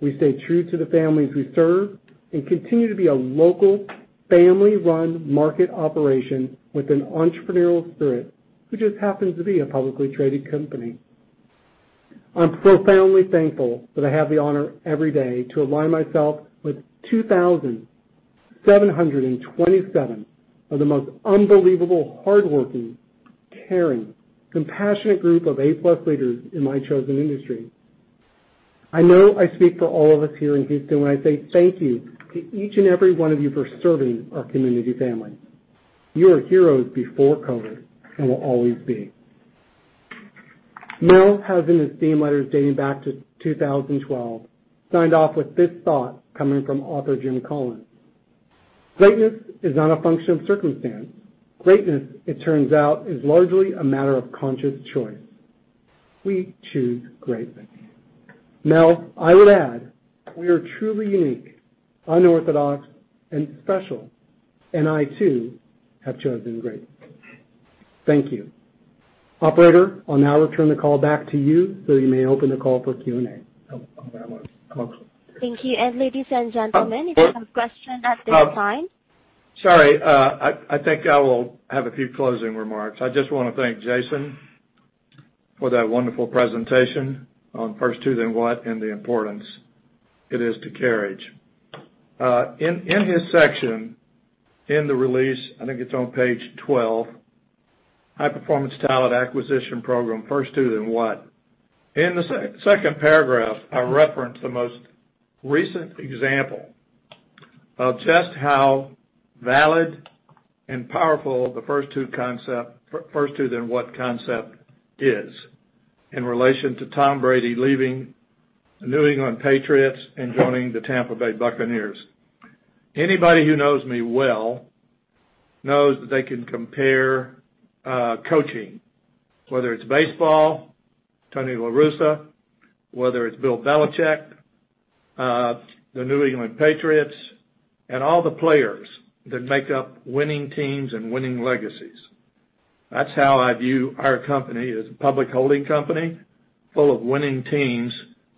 We stay true to the families we serve and continue to be a local, family-run market operation with an entrepreneurial spirit who just happens to be a publicly traded company. I'm profoundly thankful that I have the honor every day to align myself with 2,727 of the most unbelievable, hardworking, caring, compassionate group of A+ leaders in my chosen industry. I know I speak for all of us here in Houston when I say thank you to each and every one of you for serving our community family. You were heroes before COVID and will always be. Mel has, in his team letters dating back to 2012, signed off with this thought coming from author Jim Collins, Greatness is not a function of circumstance. Greatness, it turns out, is largely a matter of conscious choice. We choose greatness. Mel, I would add, we are truly unique, unorthodox, and special, and I too have chosen greatness. Thank you. Operator, I'll now return the call back to you so you may open the call for Q&A. Thank you. Ladies and gentlemen, if you have questions at this time. Sorry, I think I will have a few closing remarks. I just want to thank Jason for that wonderful presentation on First Who, Then What and the importance it is to Carriage. In his section in the release, I think it's on page 12, high-performance talent acquisition program, First Who, Then What. In the second paragraph, I reference the most recent example of just how valid and powerful the First Who, Then What concept is in relation to Tom Brady leaving the New England Patriots and joining the Tampa Bay Buccaneers. Anybody who knows me well knows that they can compare coaching, whether it's baseball, Tony La Russa, whether it's Bill Belichick, the New England Patriots, and all the players that make up winning teams and winning legacies. That's how I view our company as a public holding company full of winning teams,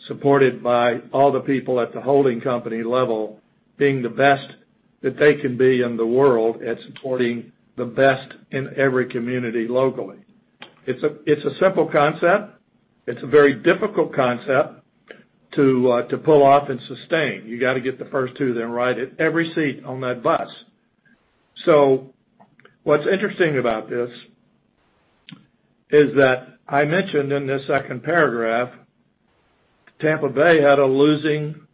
supported by all the people at the holding company level being the best that they can be in the world at supporting the best in every community locally. It's a simple concept. It's a very difficult concept to pull off and sustain. You got to get the first two then ride it, every seat on that bus. What's interesting about this is that I mentioned in the second paragraph, Tampa Bay had a losing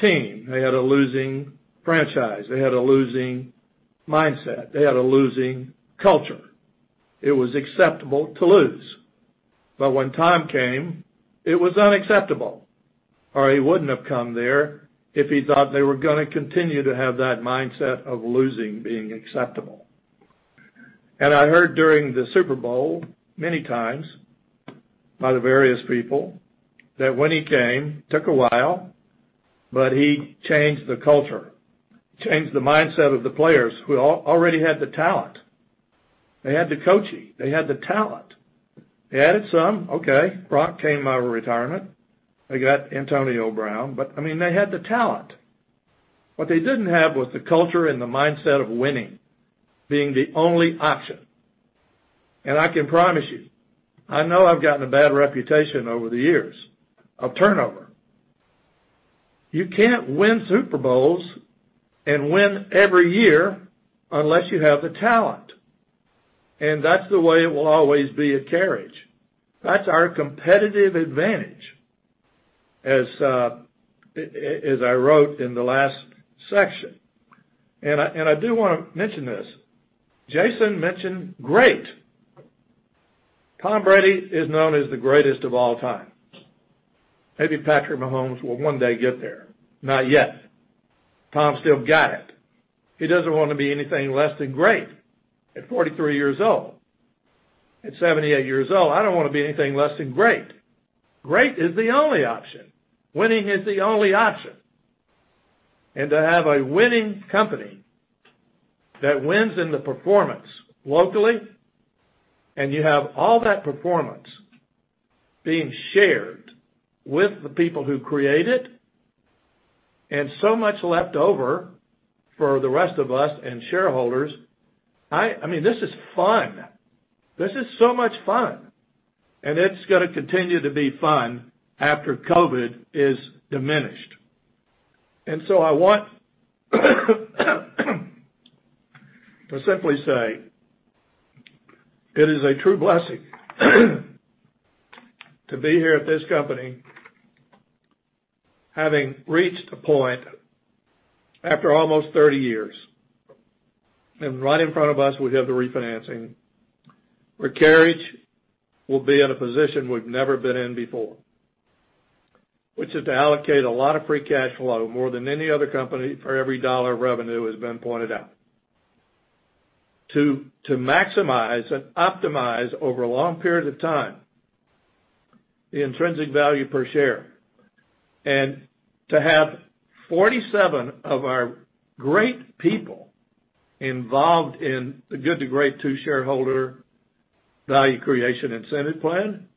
team. They had a losing franchise. They had a losing mindset. They had a losing culture. It was acceptable to lose. When Tom came, it was unacceptable, or he wouldn't have come there if he thought they were gonna continue to have that mindset of losing being acceptable. I heard during the Super Bowl many times by the various people that when he came, took a while, but he changed the culture, changed the mindset of the players who already had the talent. They had the coaching, they had the talent. They added some, okay. Gronk came out of retirement. They got Antonio Brown. They had the talent. What they didn't have was the culture and the mindset of winning being the only option. I can promise you, I know I've gotten a bad reputation over the years of turnover. You can't win Super Bowls and win every year unless you have the talent. That's the way it will always be at Carriage. That's our competitive advantage, as I wrote in the last section. I do want to mention this. Jason mentioned great. Tom Brady is known as the greatest of all time. Maybe Patrick Mahomes will one day get there. Not yet. Tom still got it. He doesn't want to be anything less than great at 43 years old. At 78 years old, I don't want to be anything less than great. Great is the only option. Winning is the only option. To have a winning company that wins in the performance locally, and you have all that performance being shared with the people who create it, and so much left over for the rest of us and shareholders, this is fun. This is so much fun, and it's going to continue to be fun after COVID is diminished. I want to simply say, it is a true blessing to be here at this company, having reached a point after almost 30 years. Right in front of us, we have the refinancing, where Carriage will be in a position we've never been in before, which is to allocate a lot of free cash flow, more than any other company, for every dollar of revenue, as been pointed out. To maximize and optimize over long periods of time the intrinsic value per share, and to have 47 of our great people involved in the Good to Great II Shareholder Value Creation Incentive Plan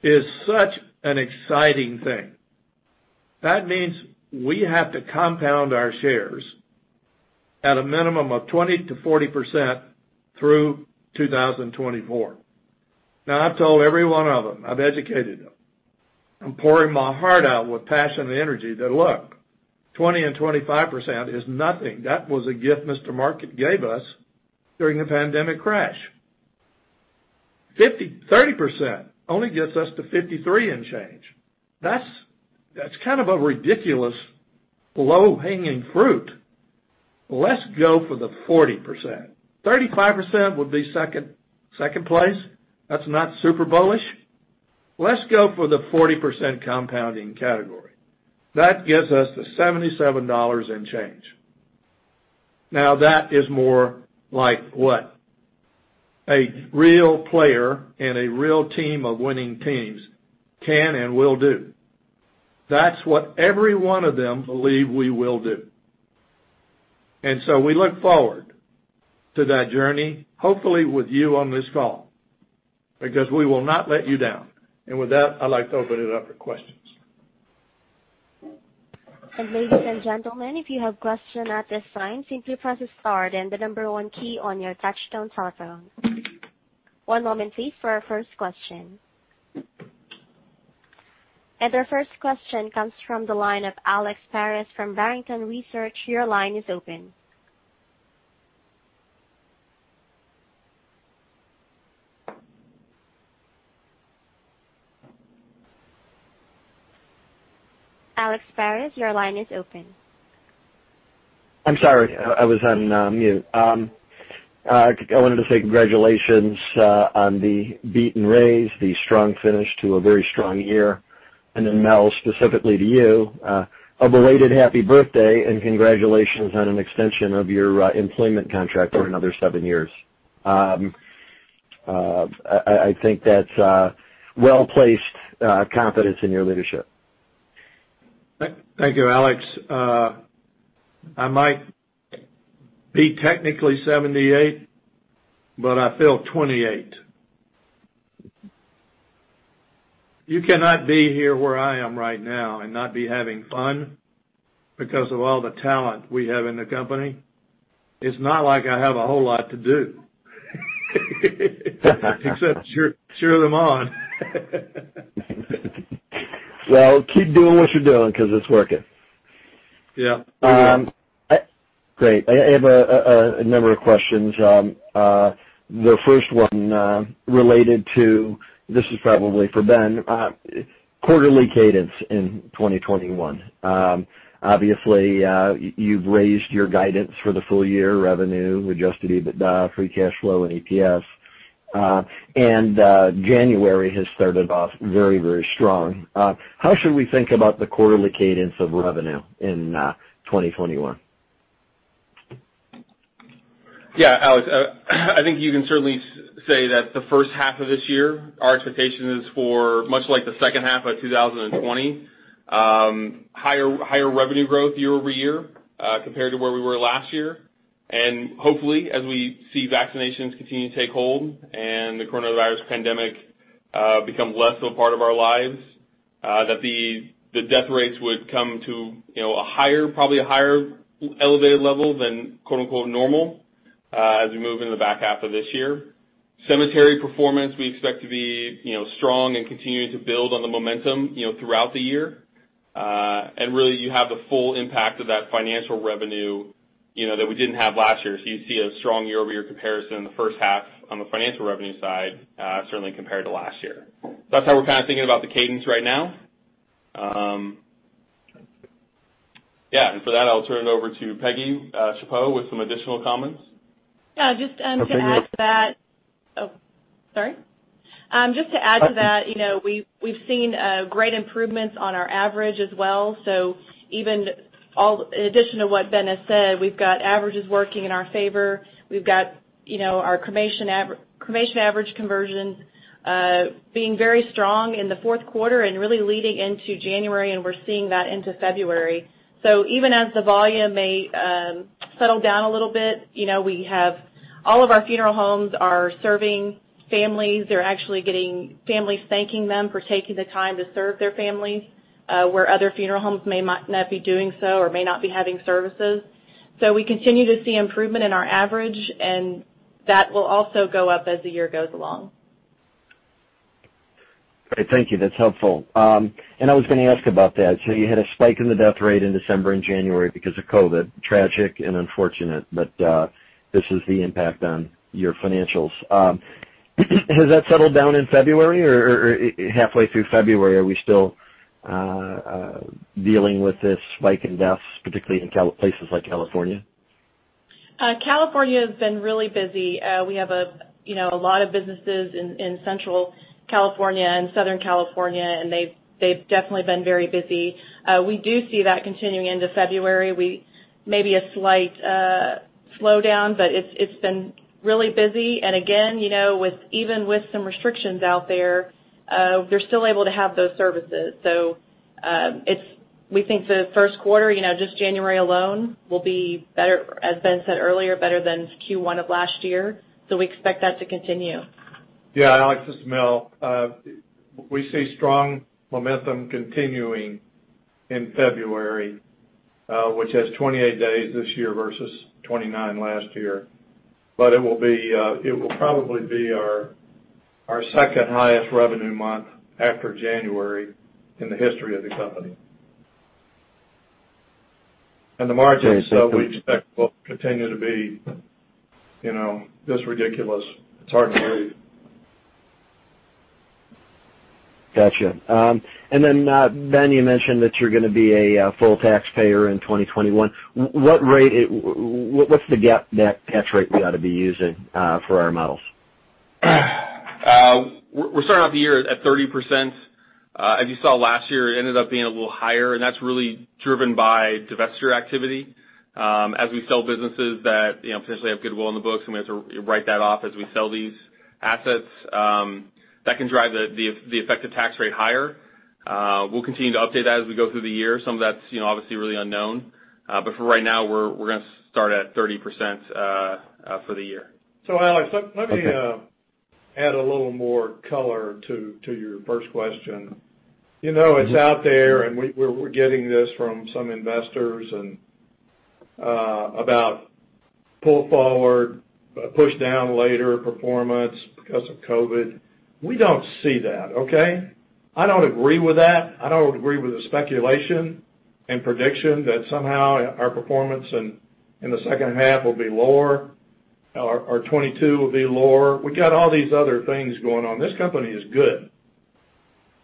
is such an exciting thing. That means we have to compound our shares at a minimum of 20%-40% through 2024. I've told every one of them, I've educated them. I'm pouring my heart out with passion and energy that look, 20% and 25% is nothing. That was a gift Mr. Market gave us during the pandemic crash. 30% only gets us to $53 and change. That's kind of a ridiculous low-hanging fruit. Let's go for the 40%. 35% would be second place. That's not super bullish. Let's go for the 40% compounding category. That gets us to $77 and change. Now, that is more like what a real player and a real team of winning teams can and will do. That's what every one of them believe we will do. We look forward to that journey, hopefully with you on this call, because we will not let you down. With that, I'd like to open it up for questions. Ladies and gentlemen, if you have question at this time, simply press star then the number one key on your touch-tone telephone. One moment please for our first question. Our first question comes from the line of Alex Paris from Barrington Research. Your line is open. Alex Paris, your line is open. I'm sorry. I was on mute. I wanted to say congratulations on the beaten raise, the strong finish to a very strong year. Mel, specifically to you, a belated happy birthday and congratulations on an extension of your employment contract for another seven years. I think that's well-placed confidence in your leadership. Thank you, Alex. I might be technically 78, but I feel 28. You cannot be here where I am right now and not be having fun because of all the talent we have in the company. It's not like I have a whole lot to do except cheer them on. Well, keep doing what you're doing because it's working. Yeah. Great. I have a number of questions. The first one, this is probably for Ben. Quarterly cadence in 2021. Obviously, you've raised your guidance for the full year revenue, adjusted EBITDA, free cash flow, and EPS. January has started off very, very strong. How should we think about the quarterly cadence of revenue in 2021? Yeah, Alex, I think you can certainly say that the first half of this year, our expectation is for much like the second half of 2020. Higher revenue growth year-over-year compared to where we were last year. Hopefully, as we see vaccinations continue to take hold and the coronavirus pandemic become less of a part of our lives, that the death rates would come to probably a higher elevated level than "normal" as we move into the back half of this year. Cemetery performance we expect to be strong and continuing to build on the momentum throughout the year. Really you have the full impact of that financial revenue that we didn't have last year. You see a strong year-over-year comparison in the first half on the financial revenue side, certainly compared to last year. That's how we're kind of thinking about the cadence right now. Yeah, for that, I'll turn it over to Peggy Schappaugh with some additional comments. Yeah, just to add to that, we've seen great improvements on our average as well. In addition to what Ben has said, we've got averages working in our favor. We've got our cremation average conversions being very strong in the fourth quarter and really leading into January, and we're seeing that into February. Even as the volume may settle down a little bit, we have all of our funeral homes are serving families. They're actually getting families thanking them for taking the time to serve their families, where other funeral homes may not be doing so or may not be having services. We continue to see improvement in our average, and that will also go up as the year goes along. Great. Thank you. That's helpful. I was going to ask about that. You had a spike in the death rate in December and January because of COVID. Tragic and unfortunate, this is the impact on your financials. Has that settled down in February? Halfway through February, are we still dealing with this spike in deaths, particularly in places like California? California has been really busy. We have a lot of businesses in Central California and Southern California, they've definitely been very busy. We do see that continuing into February. Maybe a slight slowdown, it's been really busy. Again, even with some restrictions out there, they're still able to have those services. We think the first quarter, just January alone will be better, as Ben said earlier, better than Q1 of last year. We expect that to continue. Yeah, Alex, this is Mel. We see strong momentum continuing in February, which has 28 days this year versus 29 last year. It will probably be our second highest revenue month after January in the history of the company. The margins that we expect will continue to be just ridiculous. It's hard to believe. Got you. Ben, you mentioned that you're gonna be a full taxpayer in 2021. What's the GAAP net tax rate we ought to be using for our models? We're starting off the year at 30%. As you saw last year, it ended up being a little higher, and that's really driven by divestiture activity. As we sell businesses that potentially have goodwill on the books, and we have to write that off as we sell these assets, that can drive the effective tax rate higher. We'll continue to update that as we go through the year. Some of that's obviously really unknown. For right now, we're gonna start at 30% for the year. Alex, let me add a little more color to your first question. It's out there, and we're getting this from some investors about pull forward, push down later performance because of COVID. We don't see that, okay? I don't agree with that. I don't agree with the speculation and prediction that somehow our performance in the second half will be lower, our 2022 will be lower. We got all these other things going on. This company is good.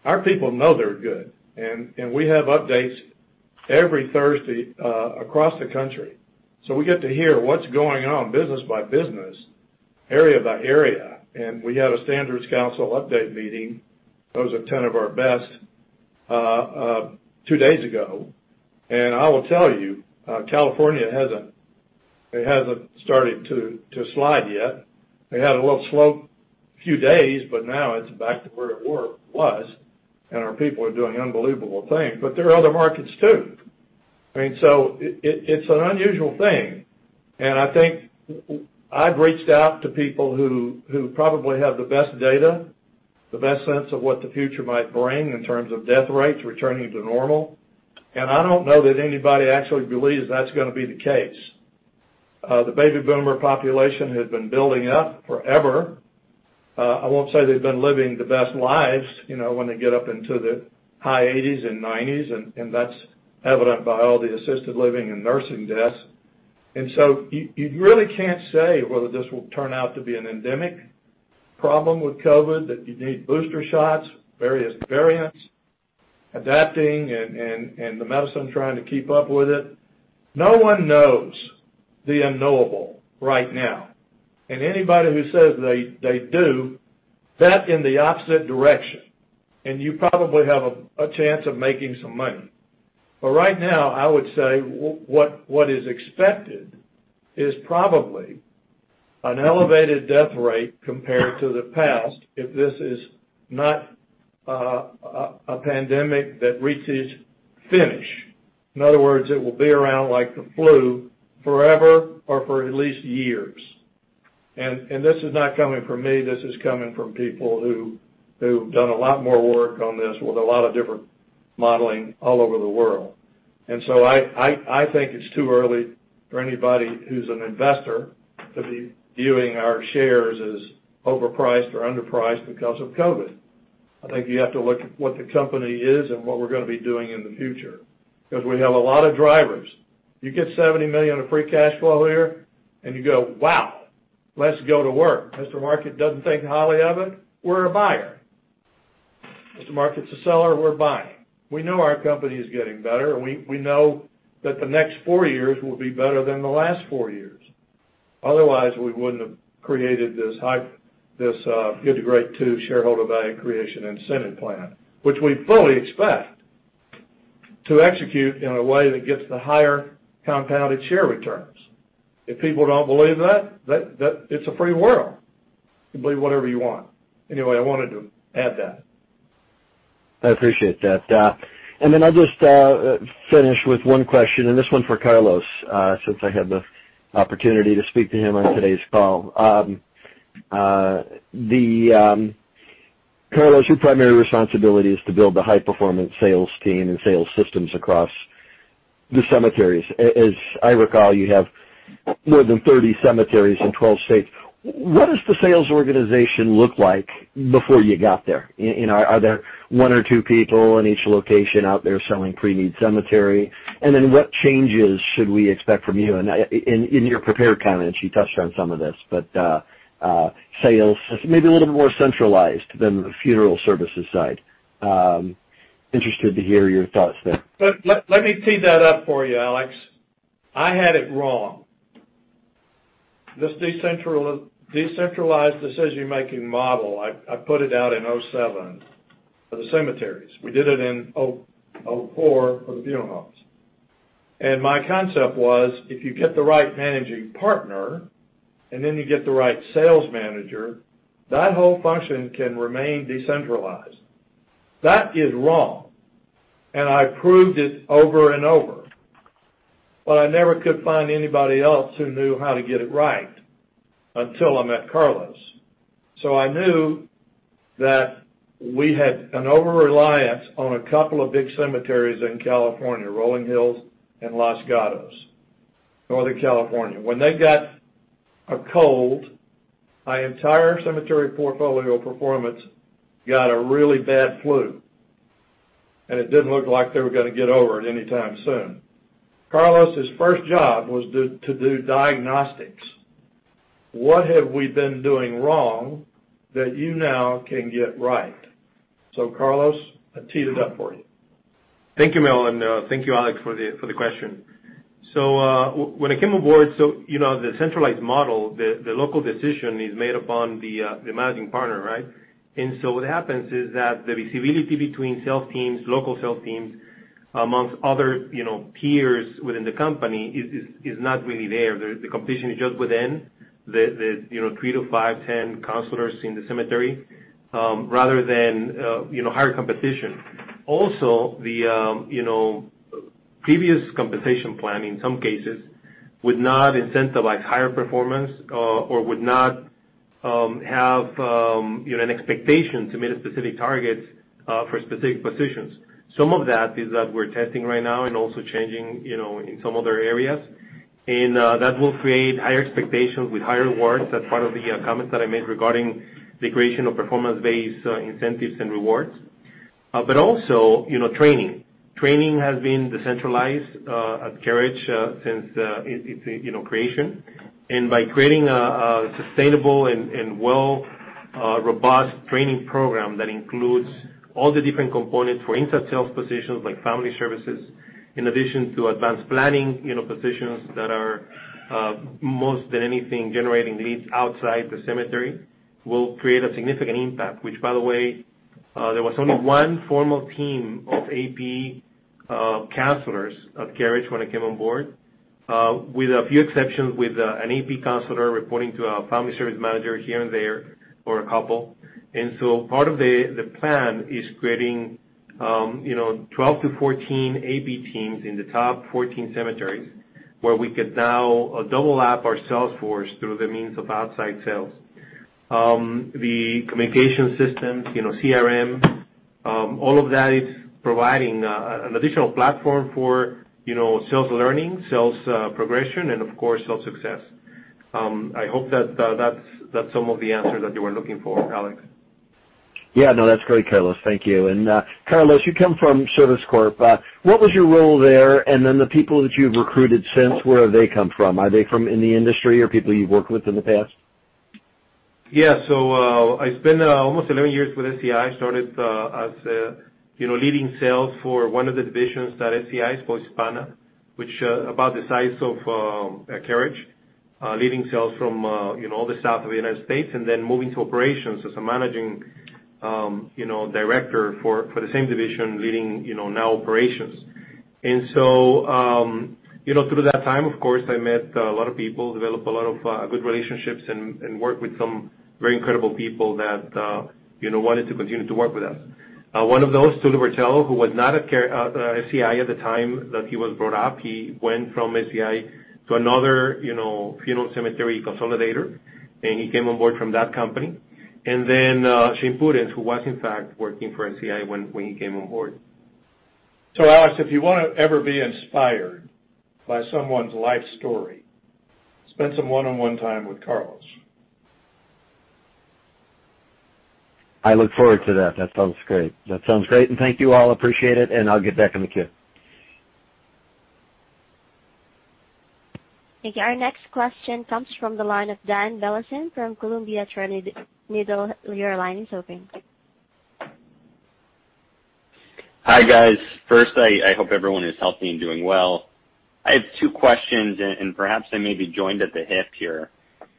Our people know they're good. We have updates every Thursday across the country. We get to hear what's going on business-by-business, area-by-area. We had a Standards Council update meeting, those are 10 of our best, two days ago. I will tell you, California, it hasn't started to slide yet. It had a little slope few days, but now it's back to where it was, and our people are doing unbelievable things. There are other markets too. It's an unusual thing, and I think I've reached out to people who probably have the best data, the best sense of what the future might bring in terms of death rates returning to normal. I don't know that anybody actually believes that's gonna be the case. The baby boomer population has been building up forever. I won't say they've been living the best lives when they get up into the high 80s and 90s, and that's evident by all the assisted living and nursing deaths. You really can't say whether this will turn out to be an endemic problem with COVID, that you need booster shots, various variants adapting, and the medicine trying to keep up with it. No one knows the unknowable right now. Anybody who says they do, bet in the opposite direction, and you probably have a chance of making some money. Right now, I would say, what is expected is probably an elevated death rate compared to the past, if this is not a pandemic that reaches finish. In other words, it will be around like the flu forever or for at least years. This is not coming from me, this is coming from people who've done a lot more work on this with a lot of different modeling all over the world. I think it's too early for anybody who's an investor to be viewing our shares as overpriced or underpriced because of COVID. I think you have to look at what the company is and what we're gonna be doing in the future, because we have a lot of drivers. You get $70 million of free cash flow here and you go, Wow, let's go to work. Mr. Market doesn't think highly of it, we're a buyer. If the market's a seller, we're buying. We know our company is getting better, and we know that the next four years will be better than the last four years. Otherwise, we wouldn't have created this Integrated II Shareholder Value Creation Incentive Plan, which we fully expect to execute in a way that gets the higher compounded share returns. If people don't believe that, it's a free world. You can believe whatever you want. Anyway, I wanted to add that. I appreciate that. I'll just finish with one question, and this one's for Carlos, since I have the opportunity to speak to him on today's call. Carlos, your primary responsibility is to build the high-performance sales team and sales systems across the cemeteries. As I recall, you have more than 30 cemeteries in 12 states. What does the sales organization look like before you got there? Are there one or two people in each location out there selling pre-need cemetery? What changes should we expect from you? In your prepared comments, you touched on some of this, sales is maybe a little more centralized than the funeral services side. Interested to hear your thoughts there. Let me tee that up for you, Alex. I had it wrong. This decentralized decision-making model, I put it out in 2007 for the cemeteries. We did it in 2004 for the funeral homes. My concept was, if you get the right Managing Partner and then you get the right sales manager, that whole function can remain decentralized. That is wrong, and I proved it over and over, but I never could find anybody else who knew how to get it right until I met Carlos. I knew that we had an over-reliance on a couple of big cemeteries in California, Rolling Hills and Los Gatos, Northern California. When they got a cold, my entire cemetery portfolio performance got a really bad flu, and it didn't look like they were gonna get over it anytime soon. Carlos, his first job was to do diagnostics. What have we been doing wrong that you now can get right? Carlos, I teed it up for you. Thank you, Mel, and thank you, Alex, for the question. When I came aboard, the centralized model, the local decision is made upon the Managing Partner, right? What happens is that the visibility between sales teams, local sales teams, amongst other peers within the company is not really there. The competition is just within the three to five, 10 counselors in the cemetery, rather than higher competition. The previous compensation plan in some cases would not incentivize higher performance or would not have an expectation to meet a specific target for specific positions. Some of that is that we're testing right now and also changing in some other areas. That will create higher expectations with higher rewards. That's part of the comments that I made regarding the creation of performance-based incentives and rewards. Training. Training has been decentralized at Carriage since its creation. By creating a sustainable, robust training program that includes all the different components for inside sales positions like family services, in addition to advanced planning positions that are more than anything, generating leads outside the cemetery, will create a significant impact. By the way, there was only one formal team of AP counselors at Carriage when I came on board, with a few exceptions, with an AP counselor reporting to a family service manager here and there for a couple. Part of the plan is creating 12 to 14 AP teams in the top 14 cemeteries, where we could now double up our sales force through the means of outside sales. The communication systems, CRM, all of that is providing an additional platform for sales learning, sales progression, and of course, sales success. I hope that's some of the answers that you were looking for, Alex. Yeah, no, that's great, Carlos. Thank you. Carlos, you come from Service Corp. What was your role there? The people that you've recruited since, where have they come from? Are they from in the industry or people you've worked with in the past? Yeah. I spent almost 11 years with SCI. I started as leading sales for one of the divisions at SCI Hispana, which is about the size of Carriage, leading sales from all the south of the United States, and then moving to operations as a Managing Director for the same division, leading now operations. Through that time, of course, I met a lot of people, developed a lot of good relationships, and worked with some very incredible people that wanted to continue to work with us. One of those, Tulio Bertello, who was not at SCI at the time that he was brought up. He went from SCI to another funeral cemetery consolidator, and he came on board from that company. [Shane Purins], who was in fact working for SCI when he came on board. Alex, if you want to ever be inspired by someone's life story, spend some one-on-one time with Carlos. I look forward to that. That sounds great. That sounds great, and thank you all. Appreciate it, and I'll get back in the queue. Thank you. Our next question comes from the line of Dan Lee Ison from Columbia Threadneedle. Your line is open. Hi, guys. First, I hope everyone is healthy and doing well. I have two questions, and perhaps they may be joined at the hip here.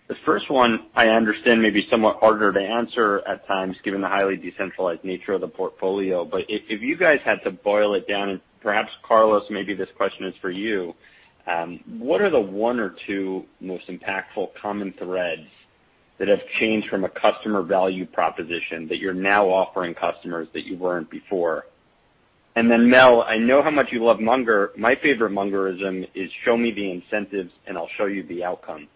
The first one I understand may be somewhat harder to answer at times, given the highly decentralized nature of the portfolio. If you guys had to boil it down, and perhaps, Carlos, maybe this question is for you, what are the one or two most impactful common threads that have changed from a customer value proposition that you're now offering customers that you weren't before? Mel, I know how much you love Munger. My favorite Mungerism is, Show me the incentives, and I'll show you the outcome.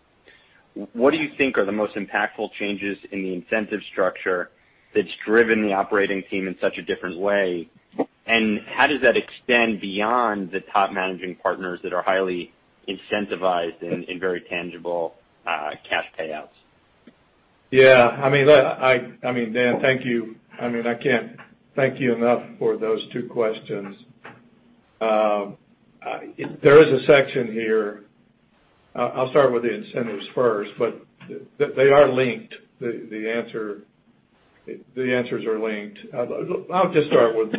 What do you think are the most impactful changes in the incentive structure that's driven the operating team in such a different way, and how does that extend beyond the top Managing Partners that are highly incentivized in very tangible cash payouts? Yeah. Dan, thank you. I can't thank you enough for those two questions. There is a section here. I'll start with the incentives first. They are linked. The answers are linked. I'll just start with,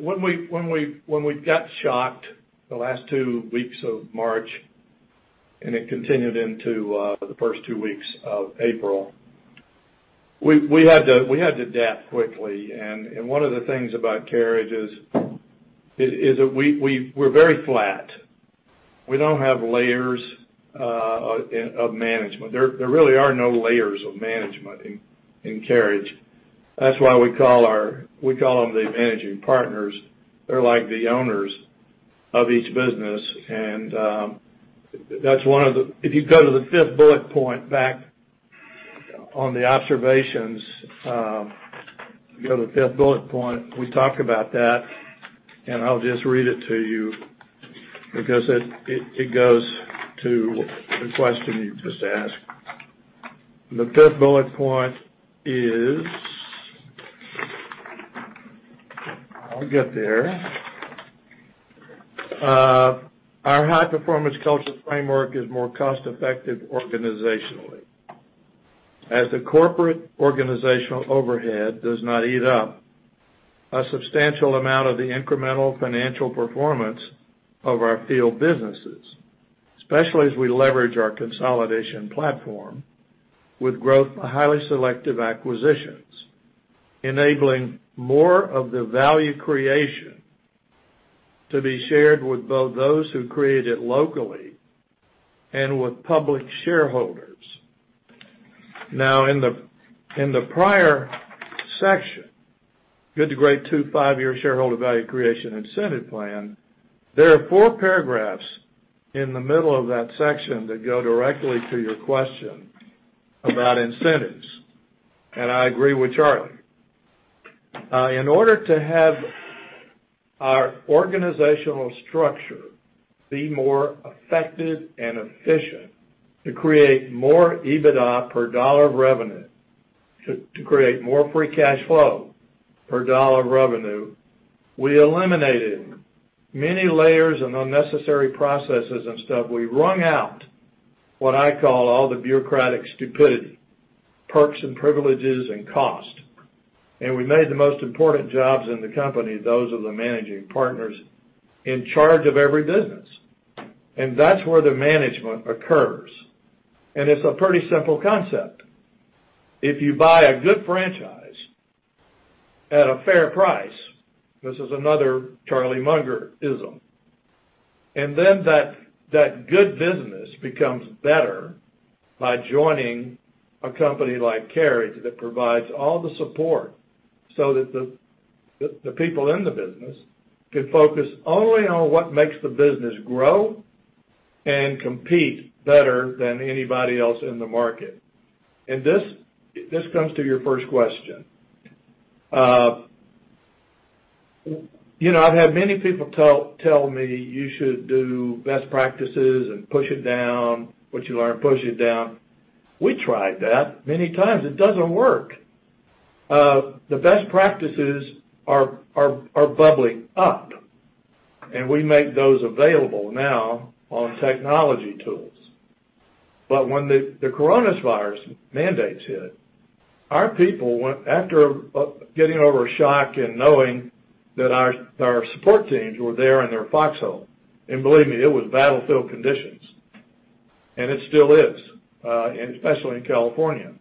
when we got shocked the last two weeks of March, it continued into the first two weeks of April, we had to adapt quickly. One of the things about Carriage is we're very flat. We don't have layers of management. There really are no layers of management in Carriage. That's why we call them the Managing Partners. They're like the owners of each business. If you go to the fifth bullet point back on the observations, we talk about that. I'll just read it to you because it goes to the question you just asked. The fifth bullet point is, I'll get there. Our high-performance culture framework is more cost-effective organizationally, as the corporate organizational overhead does not eat up a substantial amount of the incremental financial performance of our field businesses, especially as we leverage our consolidation platform with growth by highly selective acquisitions, enabling more of the value creation to be shared with both those who create it locally and with public shareholders. In the prior section, Good to Great II Five-year Shareholder Value Creation Incentive Plan, there are four paragraphs in the middle of that section that go directly to your question about incentives. I agree with Charlie. In order to have our organizational structure be more effective and efficient to create more EBITDA per dollar of revenue, to create more free cash flow per dollar of revenue, we eliminated many layers of unnecessary processes and stuff. We wrung out what I call all the bureaucratic stupidity, perks and privileges, and cost. We made the most important jobs in the company, those of the Managing Partners in charge of every business. That's where the management occurs. It's a pretty simple concept. If you buy a good franchise at a fair price, this is another Charlie Mungerism, that good business becomes better by joining a company like Carriage that provides all the support so that the people in the business can focus only on what makes the business grow and compete better than anybody else in the market. This comes to your first question. I've had many people tell me, You should do best practices and push it down what you learn, push it down. We tried that many times. It doesn't work. The best practices are bubbling up, and we make those available now on technology tools. When the coronavirus mandates hit, our people, after getting over a shock and knowing that our support teams were there in their foxhole, and believe me, it was battlefield conditions, and it still is, especially in California.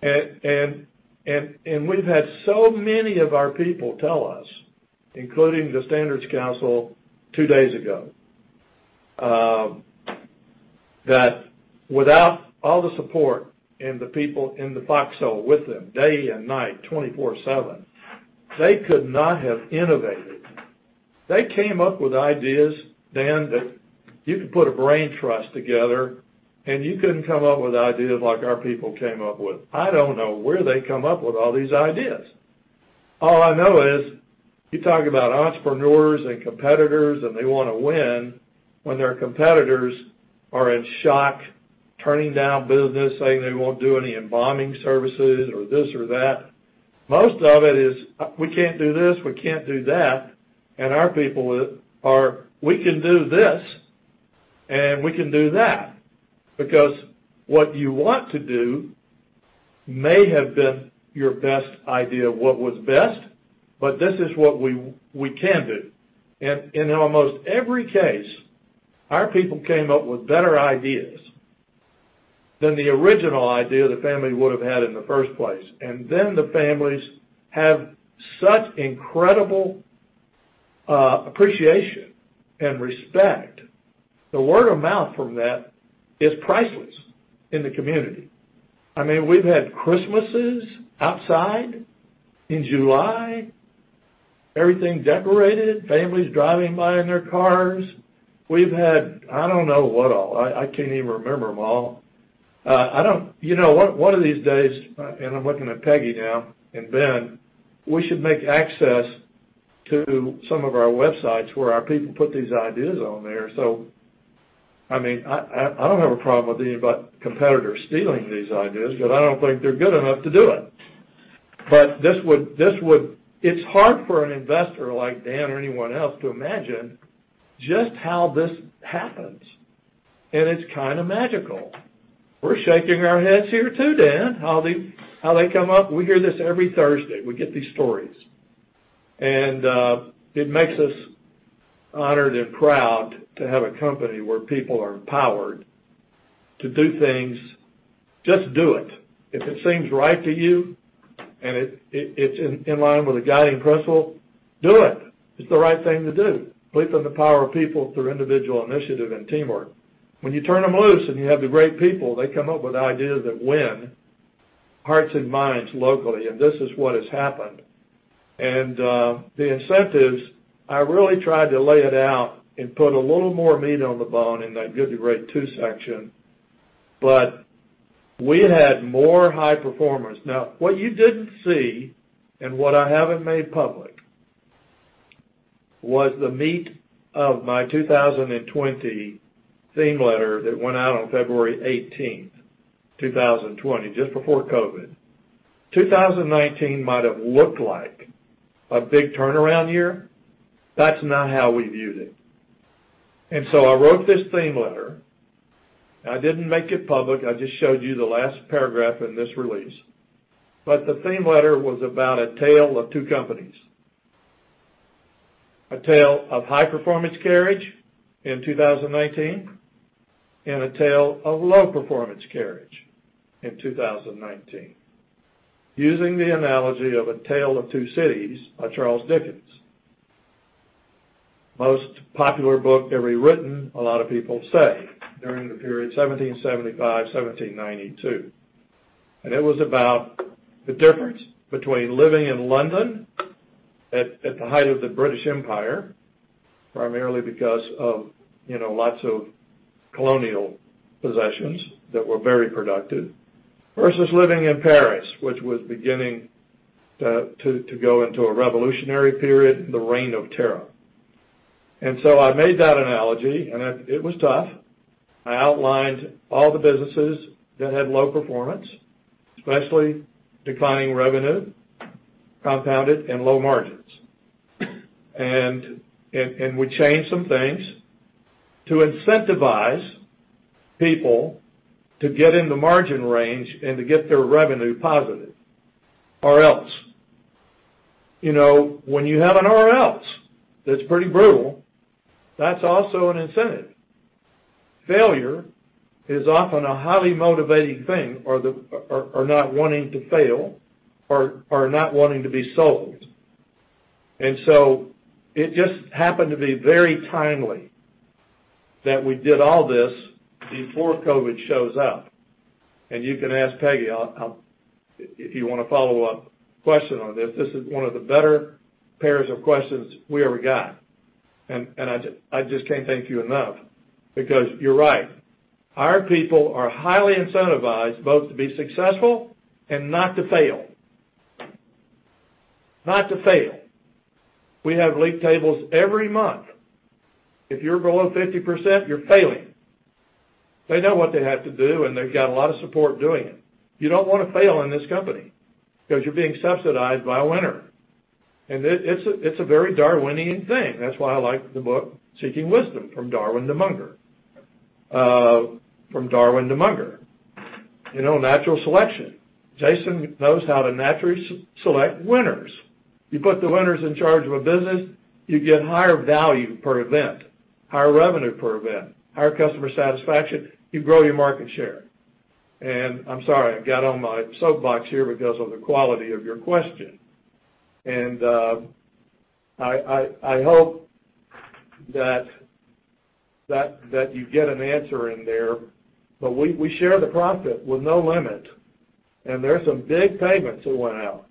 We've had so many of our people tell us, including the Standards Council two days ago, that without all the support and the people in the foxhole with them day and night, 24/7, they could not have innovated. They came up with ideas, Dan, that you could put a brain trust together and you couldn't come up with ideas like our people came up with. I don't know where they come up with all these ideas. All I know is you talk about entrepreneurs and competitors, and they want to win when their competitors are in shock, turning down business, saying they won't do any embalming services or this or that. Most of it is, we can't do this, we can't do that. Our people are, we can do this, and we can do that. Because what you want to do may have been your best idea of what was best, but this is what we can do. In almost every case, our people came up with better ideas than the original idea the family would have had in the first place. Then the families have such incredible appreciation and respect. The word of mouth from that is priceless in the community. We've had Christmases outside in July, everything decorated, families driving by in their cars. We've had, I don't know what all. I can't even remember them all. One of these days, and I'm looking at Peggy now, and Ben, we should make access to some of our websites where our people put these ideas on there. I don't have a problem with any competitors stealing these ideas, because I don't think they're good enough to do it. It's hard for an investor like Dan or anyone else to imagine just how this happens, and it's kind of magical. We're shaking our heads here too, Dan, how they come up. We hear this every Thursday. We get these stories. It makes us honored and proud to have a company where people are empowered to do things. Just do it. If it seems right to you and it's in line with a guiding principle, do it. It's the right thing to do. Believe in the power of people through individual initiative and teamwork. When you turn them loose and you have the right people, they come up with ideas that win hearts and minds locally, and this is what has happened. The incentives, I really tried to lay it out and put a little more meat on the bone in that Good to Great II section. We had more high performers. What you didn't see and what I haven't made public was the meat of my 2020 theme letter that went out on February 18, 2020, just before COVID. 2019 might have looked like a big turnaround year. That's not how we viewed it. I wrote this theme letter, and I didn't make it public. I just showed you the last paragraph in this release. The theme letter was about a tale of two companies, a tale of high performance Carriage in 2019, and a tale of low performance Carriage in 2019. Using the analogy of A Tale of Two Cities by Charles Dickens, most popular book ever written, a lot of people say, during the period 1775-1792. It was about the difference between living in London at the height of the British Empire, primarily because of lots of colonial possessions that were very productive, versus living in Paris, which was beginning to go into a revolutionary period, the Reign of Terror. I made that analogy, and it was tough. I outlined all the businesses that had low performance, especially declining revenue, compounded, and low margins. We changed some things to incentivize people to get in the margin range and to get their revenue positive, or else. When you have an or else that's pretty brutal, that's also an incentive. Failure is often a highly motivating thing, or not wanting to fail, or not wanting to be sold. It just happened to be very timely that we did all this before COVID shows up. You can ask Peggy if you want a follow-up question on this. This is one of the better pairs of questions we ever got, and I just can't thank you enough because you're right. Our people are highly incentivized both to be successful and not to fail. Not to fail. We have league tables every month. If you're below 50%, you're failing. They know what they have to do, and they've got a lot of support doing it. You don't want to fail in this company because you're being subsidized by a winner. It's a very Darwinian thing. That's why I like the book, Seeking Wisdom: From Darwin to Munger. From Darwin to Munger. Natural selection. Jason knows how to naturally select winners. You put the winners in charge of a business, you get higher value per event, higher revenue per event, higher customer satisfaction, you grow your market share. I'm sorry, I got on my soapbox here because of the quality of your question. I hope that you get an answer in there. We share the profit with no limit. There's some big payments that went out.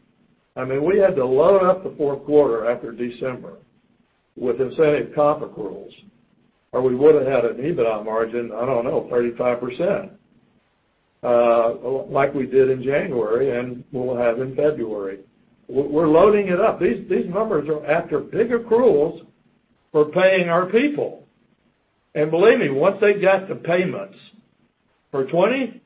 We had to load up the fourth quarter after December with incentive comp accruals, or we would have had an EBITDA margin, I don't know, 35%, like we did in January and we will have in February. We're loading it up. These numbers are after big accruals for paying our people. Believe me, once they get the payments for 2020,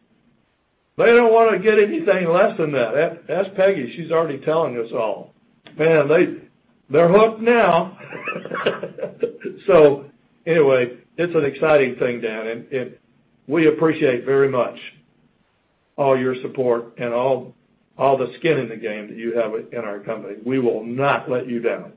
they don't want to get anything less than that. Ask Peggy, she's already telling us all. Man, they're hooked now. Anyway, it's an exciting thing, Dan, and we appreciate very much all your support and all the skin in the game that you have in our company. We will not let you down.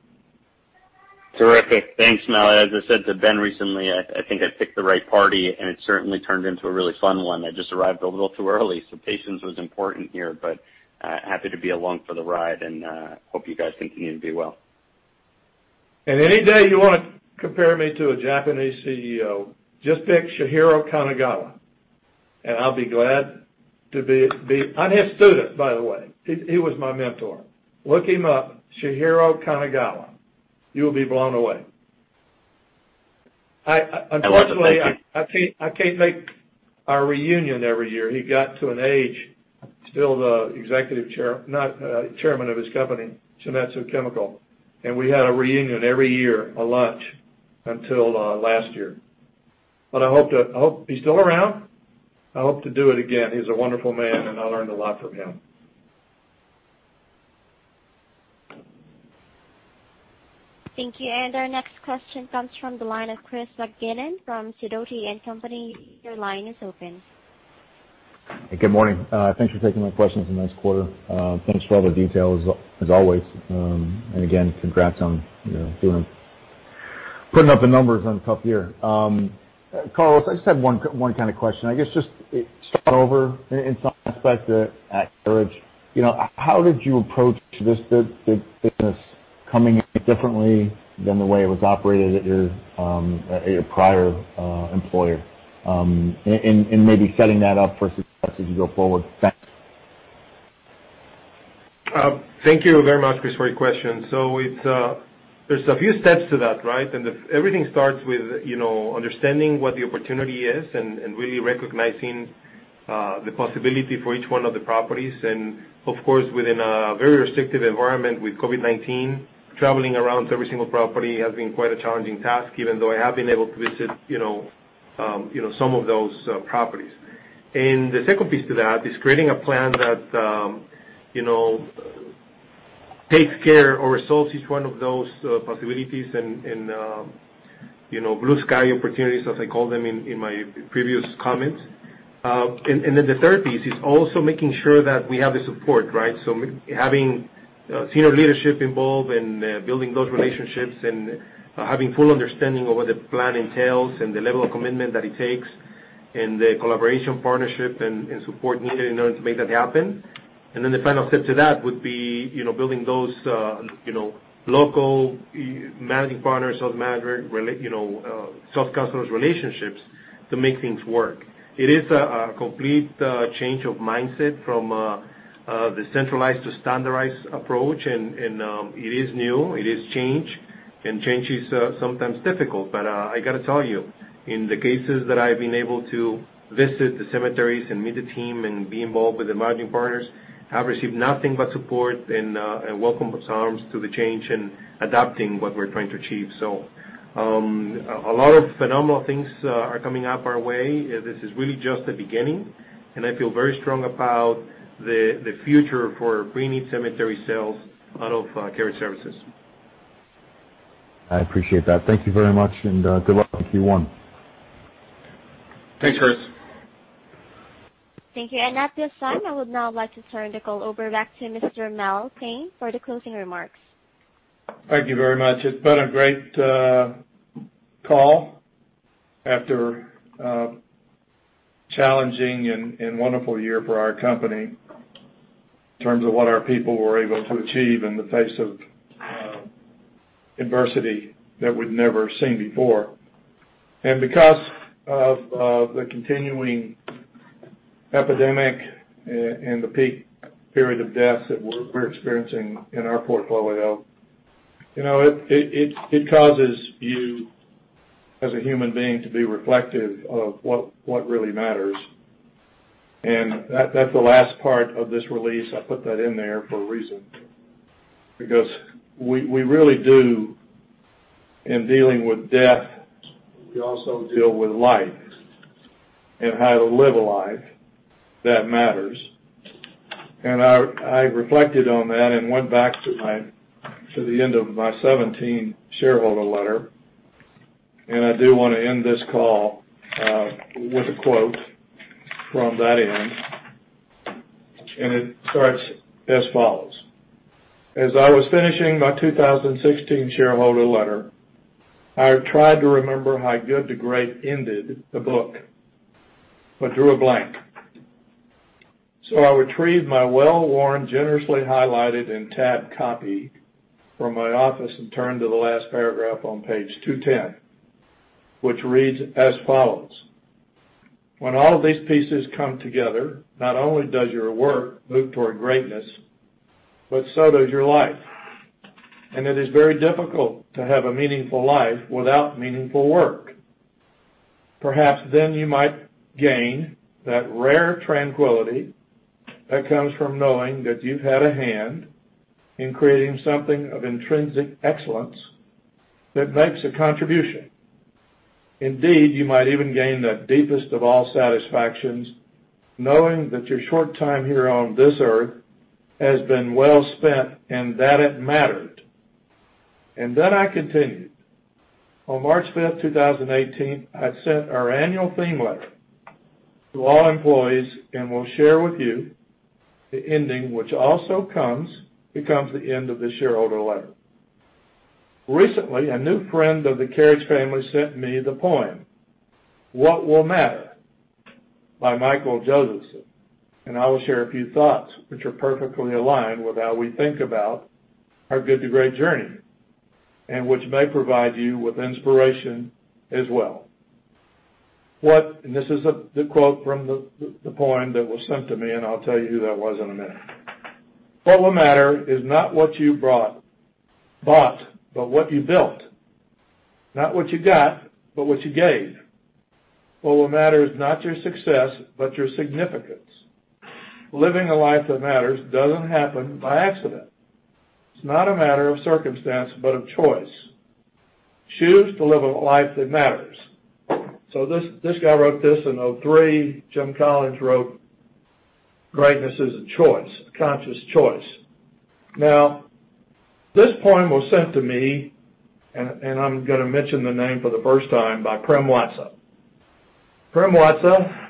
Terrific. Thanks, Mel. As I said to Ben recently, I think I picked the right party, and it certainly turned into a really fun one. I just arrived a little too early, so patience was important here, but happy to be along for the ride and hope you guys continue to do well. Any day you want to compare me to a Japanese CEO, just pick Chihiro Kanagawa, and I'm his student, by the way. He was my mentor. Look him up, Chihiro Kanagawa. You will be blown away. I will do. Thank you. Unfortunately, I can't make our reunion every year. He got to an age, still the Chairman of his company, Shin-Etsu Chemical. We had a reunion every year, a lunch, until last year. He's still around. I hope to do it again. He's a wonderful man, and I learned a lot from him. Thank you. Our next question comes from the line of Chris McGinnis from Sidoti & Company. Your line is open. Good morning. Thanks for taking my questions. A nice quarter. Thanks for all the details as always. Again, congrats on putting up the numbers on a tough year. Carlos, I just have one kind of question. I guess just start over in some aspect at Carriage. How did you approach this business coming in differently than the way it was operated at your prior employer? And maybe setting that up for success as you go forward. Thanks. Thank you very much, Chris, for your question. There's a few steps to that, right? Everything starts with understanding what the opportunity is and really recognizing the possibility for each one of the properties. Of course, within a very restrictive environment with COVID-19, traveling around to every single property has been quite a challenging task, even though I have been able to visit some of those properties. The second piece to that is creating a plan that takes care or resolves each one of those possibilities and blue sky opportunities, as I called them in my previous comment. The third piece is also making sure that we have the support, right? Having senior leadership involved and building those relationships and having full understanding of what the plan entails and the level of commitment that it takes and the collaboration, partnership, and support needed in order to make that happen. The final step to that would be building those local Managing Partners, sales manager, relationships to make things work. It is a complete change of mindset from the centralized to standardized approach, and it is new, it is change, and change is sometimes difficult. I got to tell you, in the cases that I've been able to visit the cemeteries and meet the team and be involved with the Managing Partners, I've received nothing but support and a welcome with arms to the change and adapting what we're trying to achieve. A lot of phenomenal things are coming up our way. This is really just the beginning, and I feel very strong about the future for bringing cemetery sales out of Carriage Services. I appreciate that. Thank you very much, and good luck in Q1. Thanks, Chris. Thank you. At this time, I would now like to turn the call over back to Mr. Mel Payne for the closing remarks. Thank you very much. It's been a great call after a challenging and wonderful year for our company in terms of what our people were able to achieve in the face of adversity that we'd never seen before. Because of the continuing epidemic and the peak period of deaths that we're experiencing in our portfolio, it causes you as a human being to be reflective of what really matters. That's the last part of this release. I put that in there for a reason, because we really do, in dealing with death, we also deal with life and how to live a life that matters. I reflected on that and went back to the end of my 2017 shareholder letter, and I do want to end this call with a quote from that end, and it starts as follows. As I was finishing my 2016 shareholder letter, I tried to remember how Good to Great ended, the book, but drew a blank. I retrieved my well-worn, generously highlighted, and tabbed copy from my office and turned to the last paragraph on page 210, which reads as follows: When all these pieces come together, not only does your work move toward greatness, but so does your life. It is very difficult to have a meaningful life without meaningful work. Perhaps then you might gain that rare tranquility that comes from knowing that you've had a hand in creating something of intrinsic excellence that makes a contribution. Indeed, you might even gain the deepest of all satisfactions, knowing that your short time here on this earth has been well spent, and that it mattered. I continued. On March 5th, 2018, I sent our annual theme letter to all employees, will share with you the ending, which also becomes the end of the shareholder letter. Recently, a new friend of the Carriage family sent me the poem, What Will Matter by Michael Josephson. I will share a few thoughts, which are perfectly aligned with how we think about our Good to Great journey, which may provide you with inspiration as well. This is the quote from the poem that was sent to me, I'll tell you who that was in a minute. What will matter is not what you bought, but what you built. Not what you got, but what you gave. What will matter is not your success, but your significance. Living a life that matters doesn't happen by accident. It's not a matter of circumstance, but of choice. This guy wrote this in 2003. Jim Collins wrote, Greatness is a choice, a conscious choice. Now, this poem was sent to me, and I'm going to mention the name for the first time, by Prem Watsa. Prem Watsa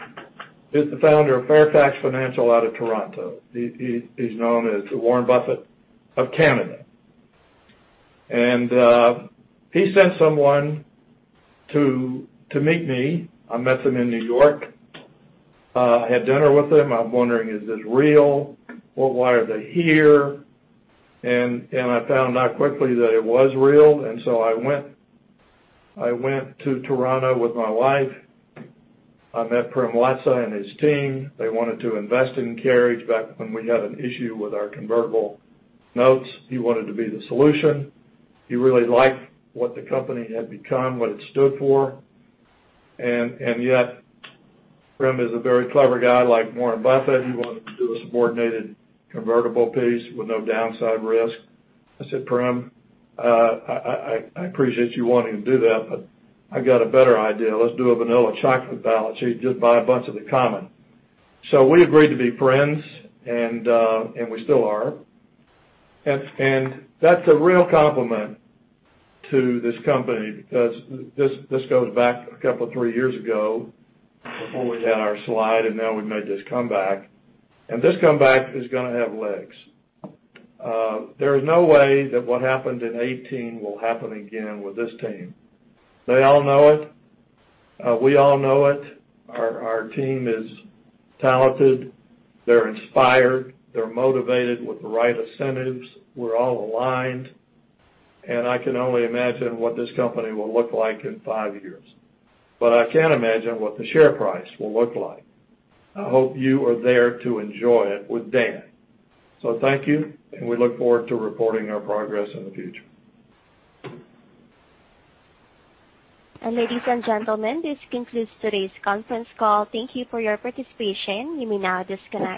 is the Founder of Fairfax Financial out of Toronto. He's known as the Warren Buffett of Canada. He sent someone to meet me. I met them in New York, had dinner with him. I'm wondering, is this real? Why are they here? I found out quickly that it was real. I went to Toronto with my wife. I met Prem Watsa and his team. They wanted to invest in Carriage back when we had an issue with our convertible notes. He wanted to be the solution. He really liked what the company had become, what it stood for. Yet, Prem is a very clever guy, like Warren Buffett. He wanted to do a subordinated convertible piece with no downside risk. I said, Prem, I appreciate you wanting to do that, but I've got a better idea. Let's do a vanilla chocolate balance sheet. Just buy a bunch of the common. We agreed to be friends, and we still are. That's a real compliment to this company because this goes back a couple, three years ago, before we had our slide, and now we've made this comeback. This comeback is going to have legs. There is no way that what happened in 2018 will happen again with this team. They all know it. We all know it. Our team is talented. They're inspired. They're motivated with the right incentives. We're all aligned. I can only imagine what this company will look like in five years. I can imagine what the share price will look like. I hope you are there to enjoy it with Dan. Thank you, and we look forward to reporting our progress in the future. Ladies and gentlemen, this concludes today's conference call. Thank you for your participation. You may now disconnect.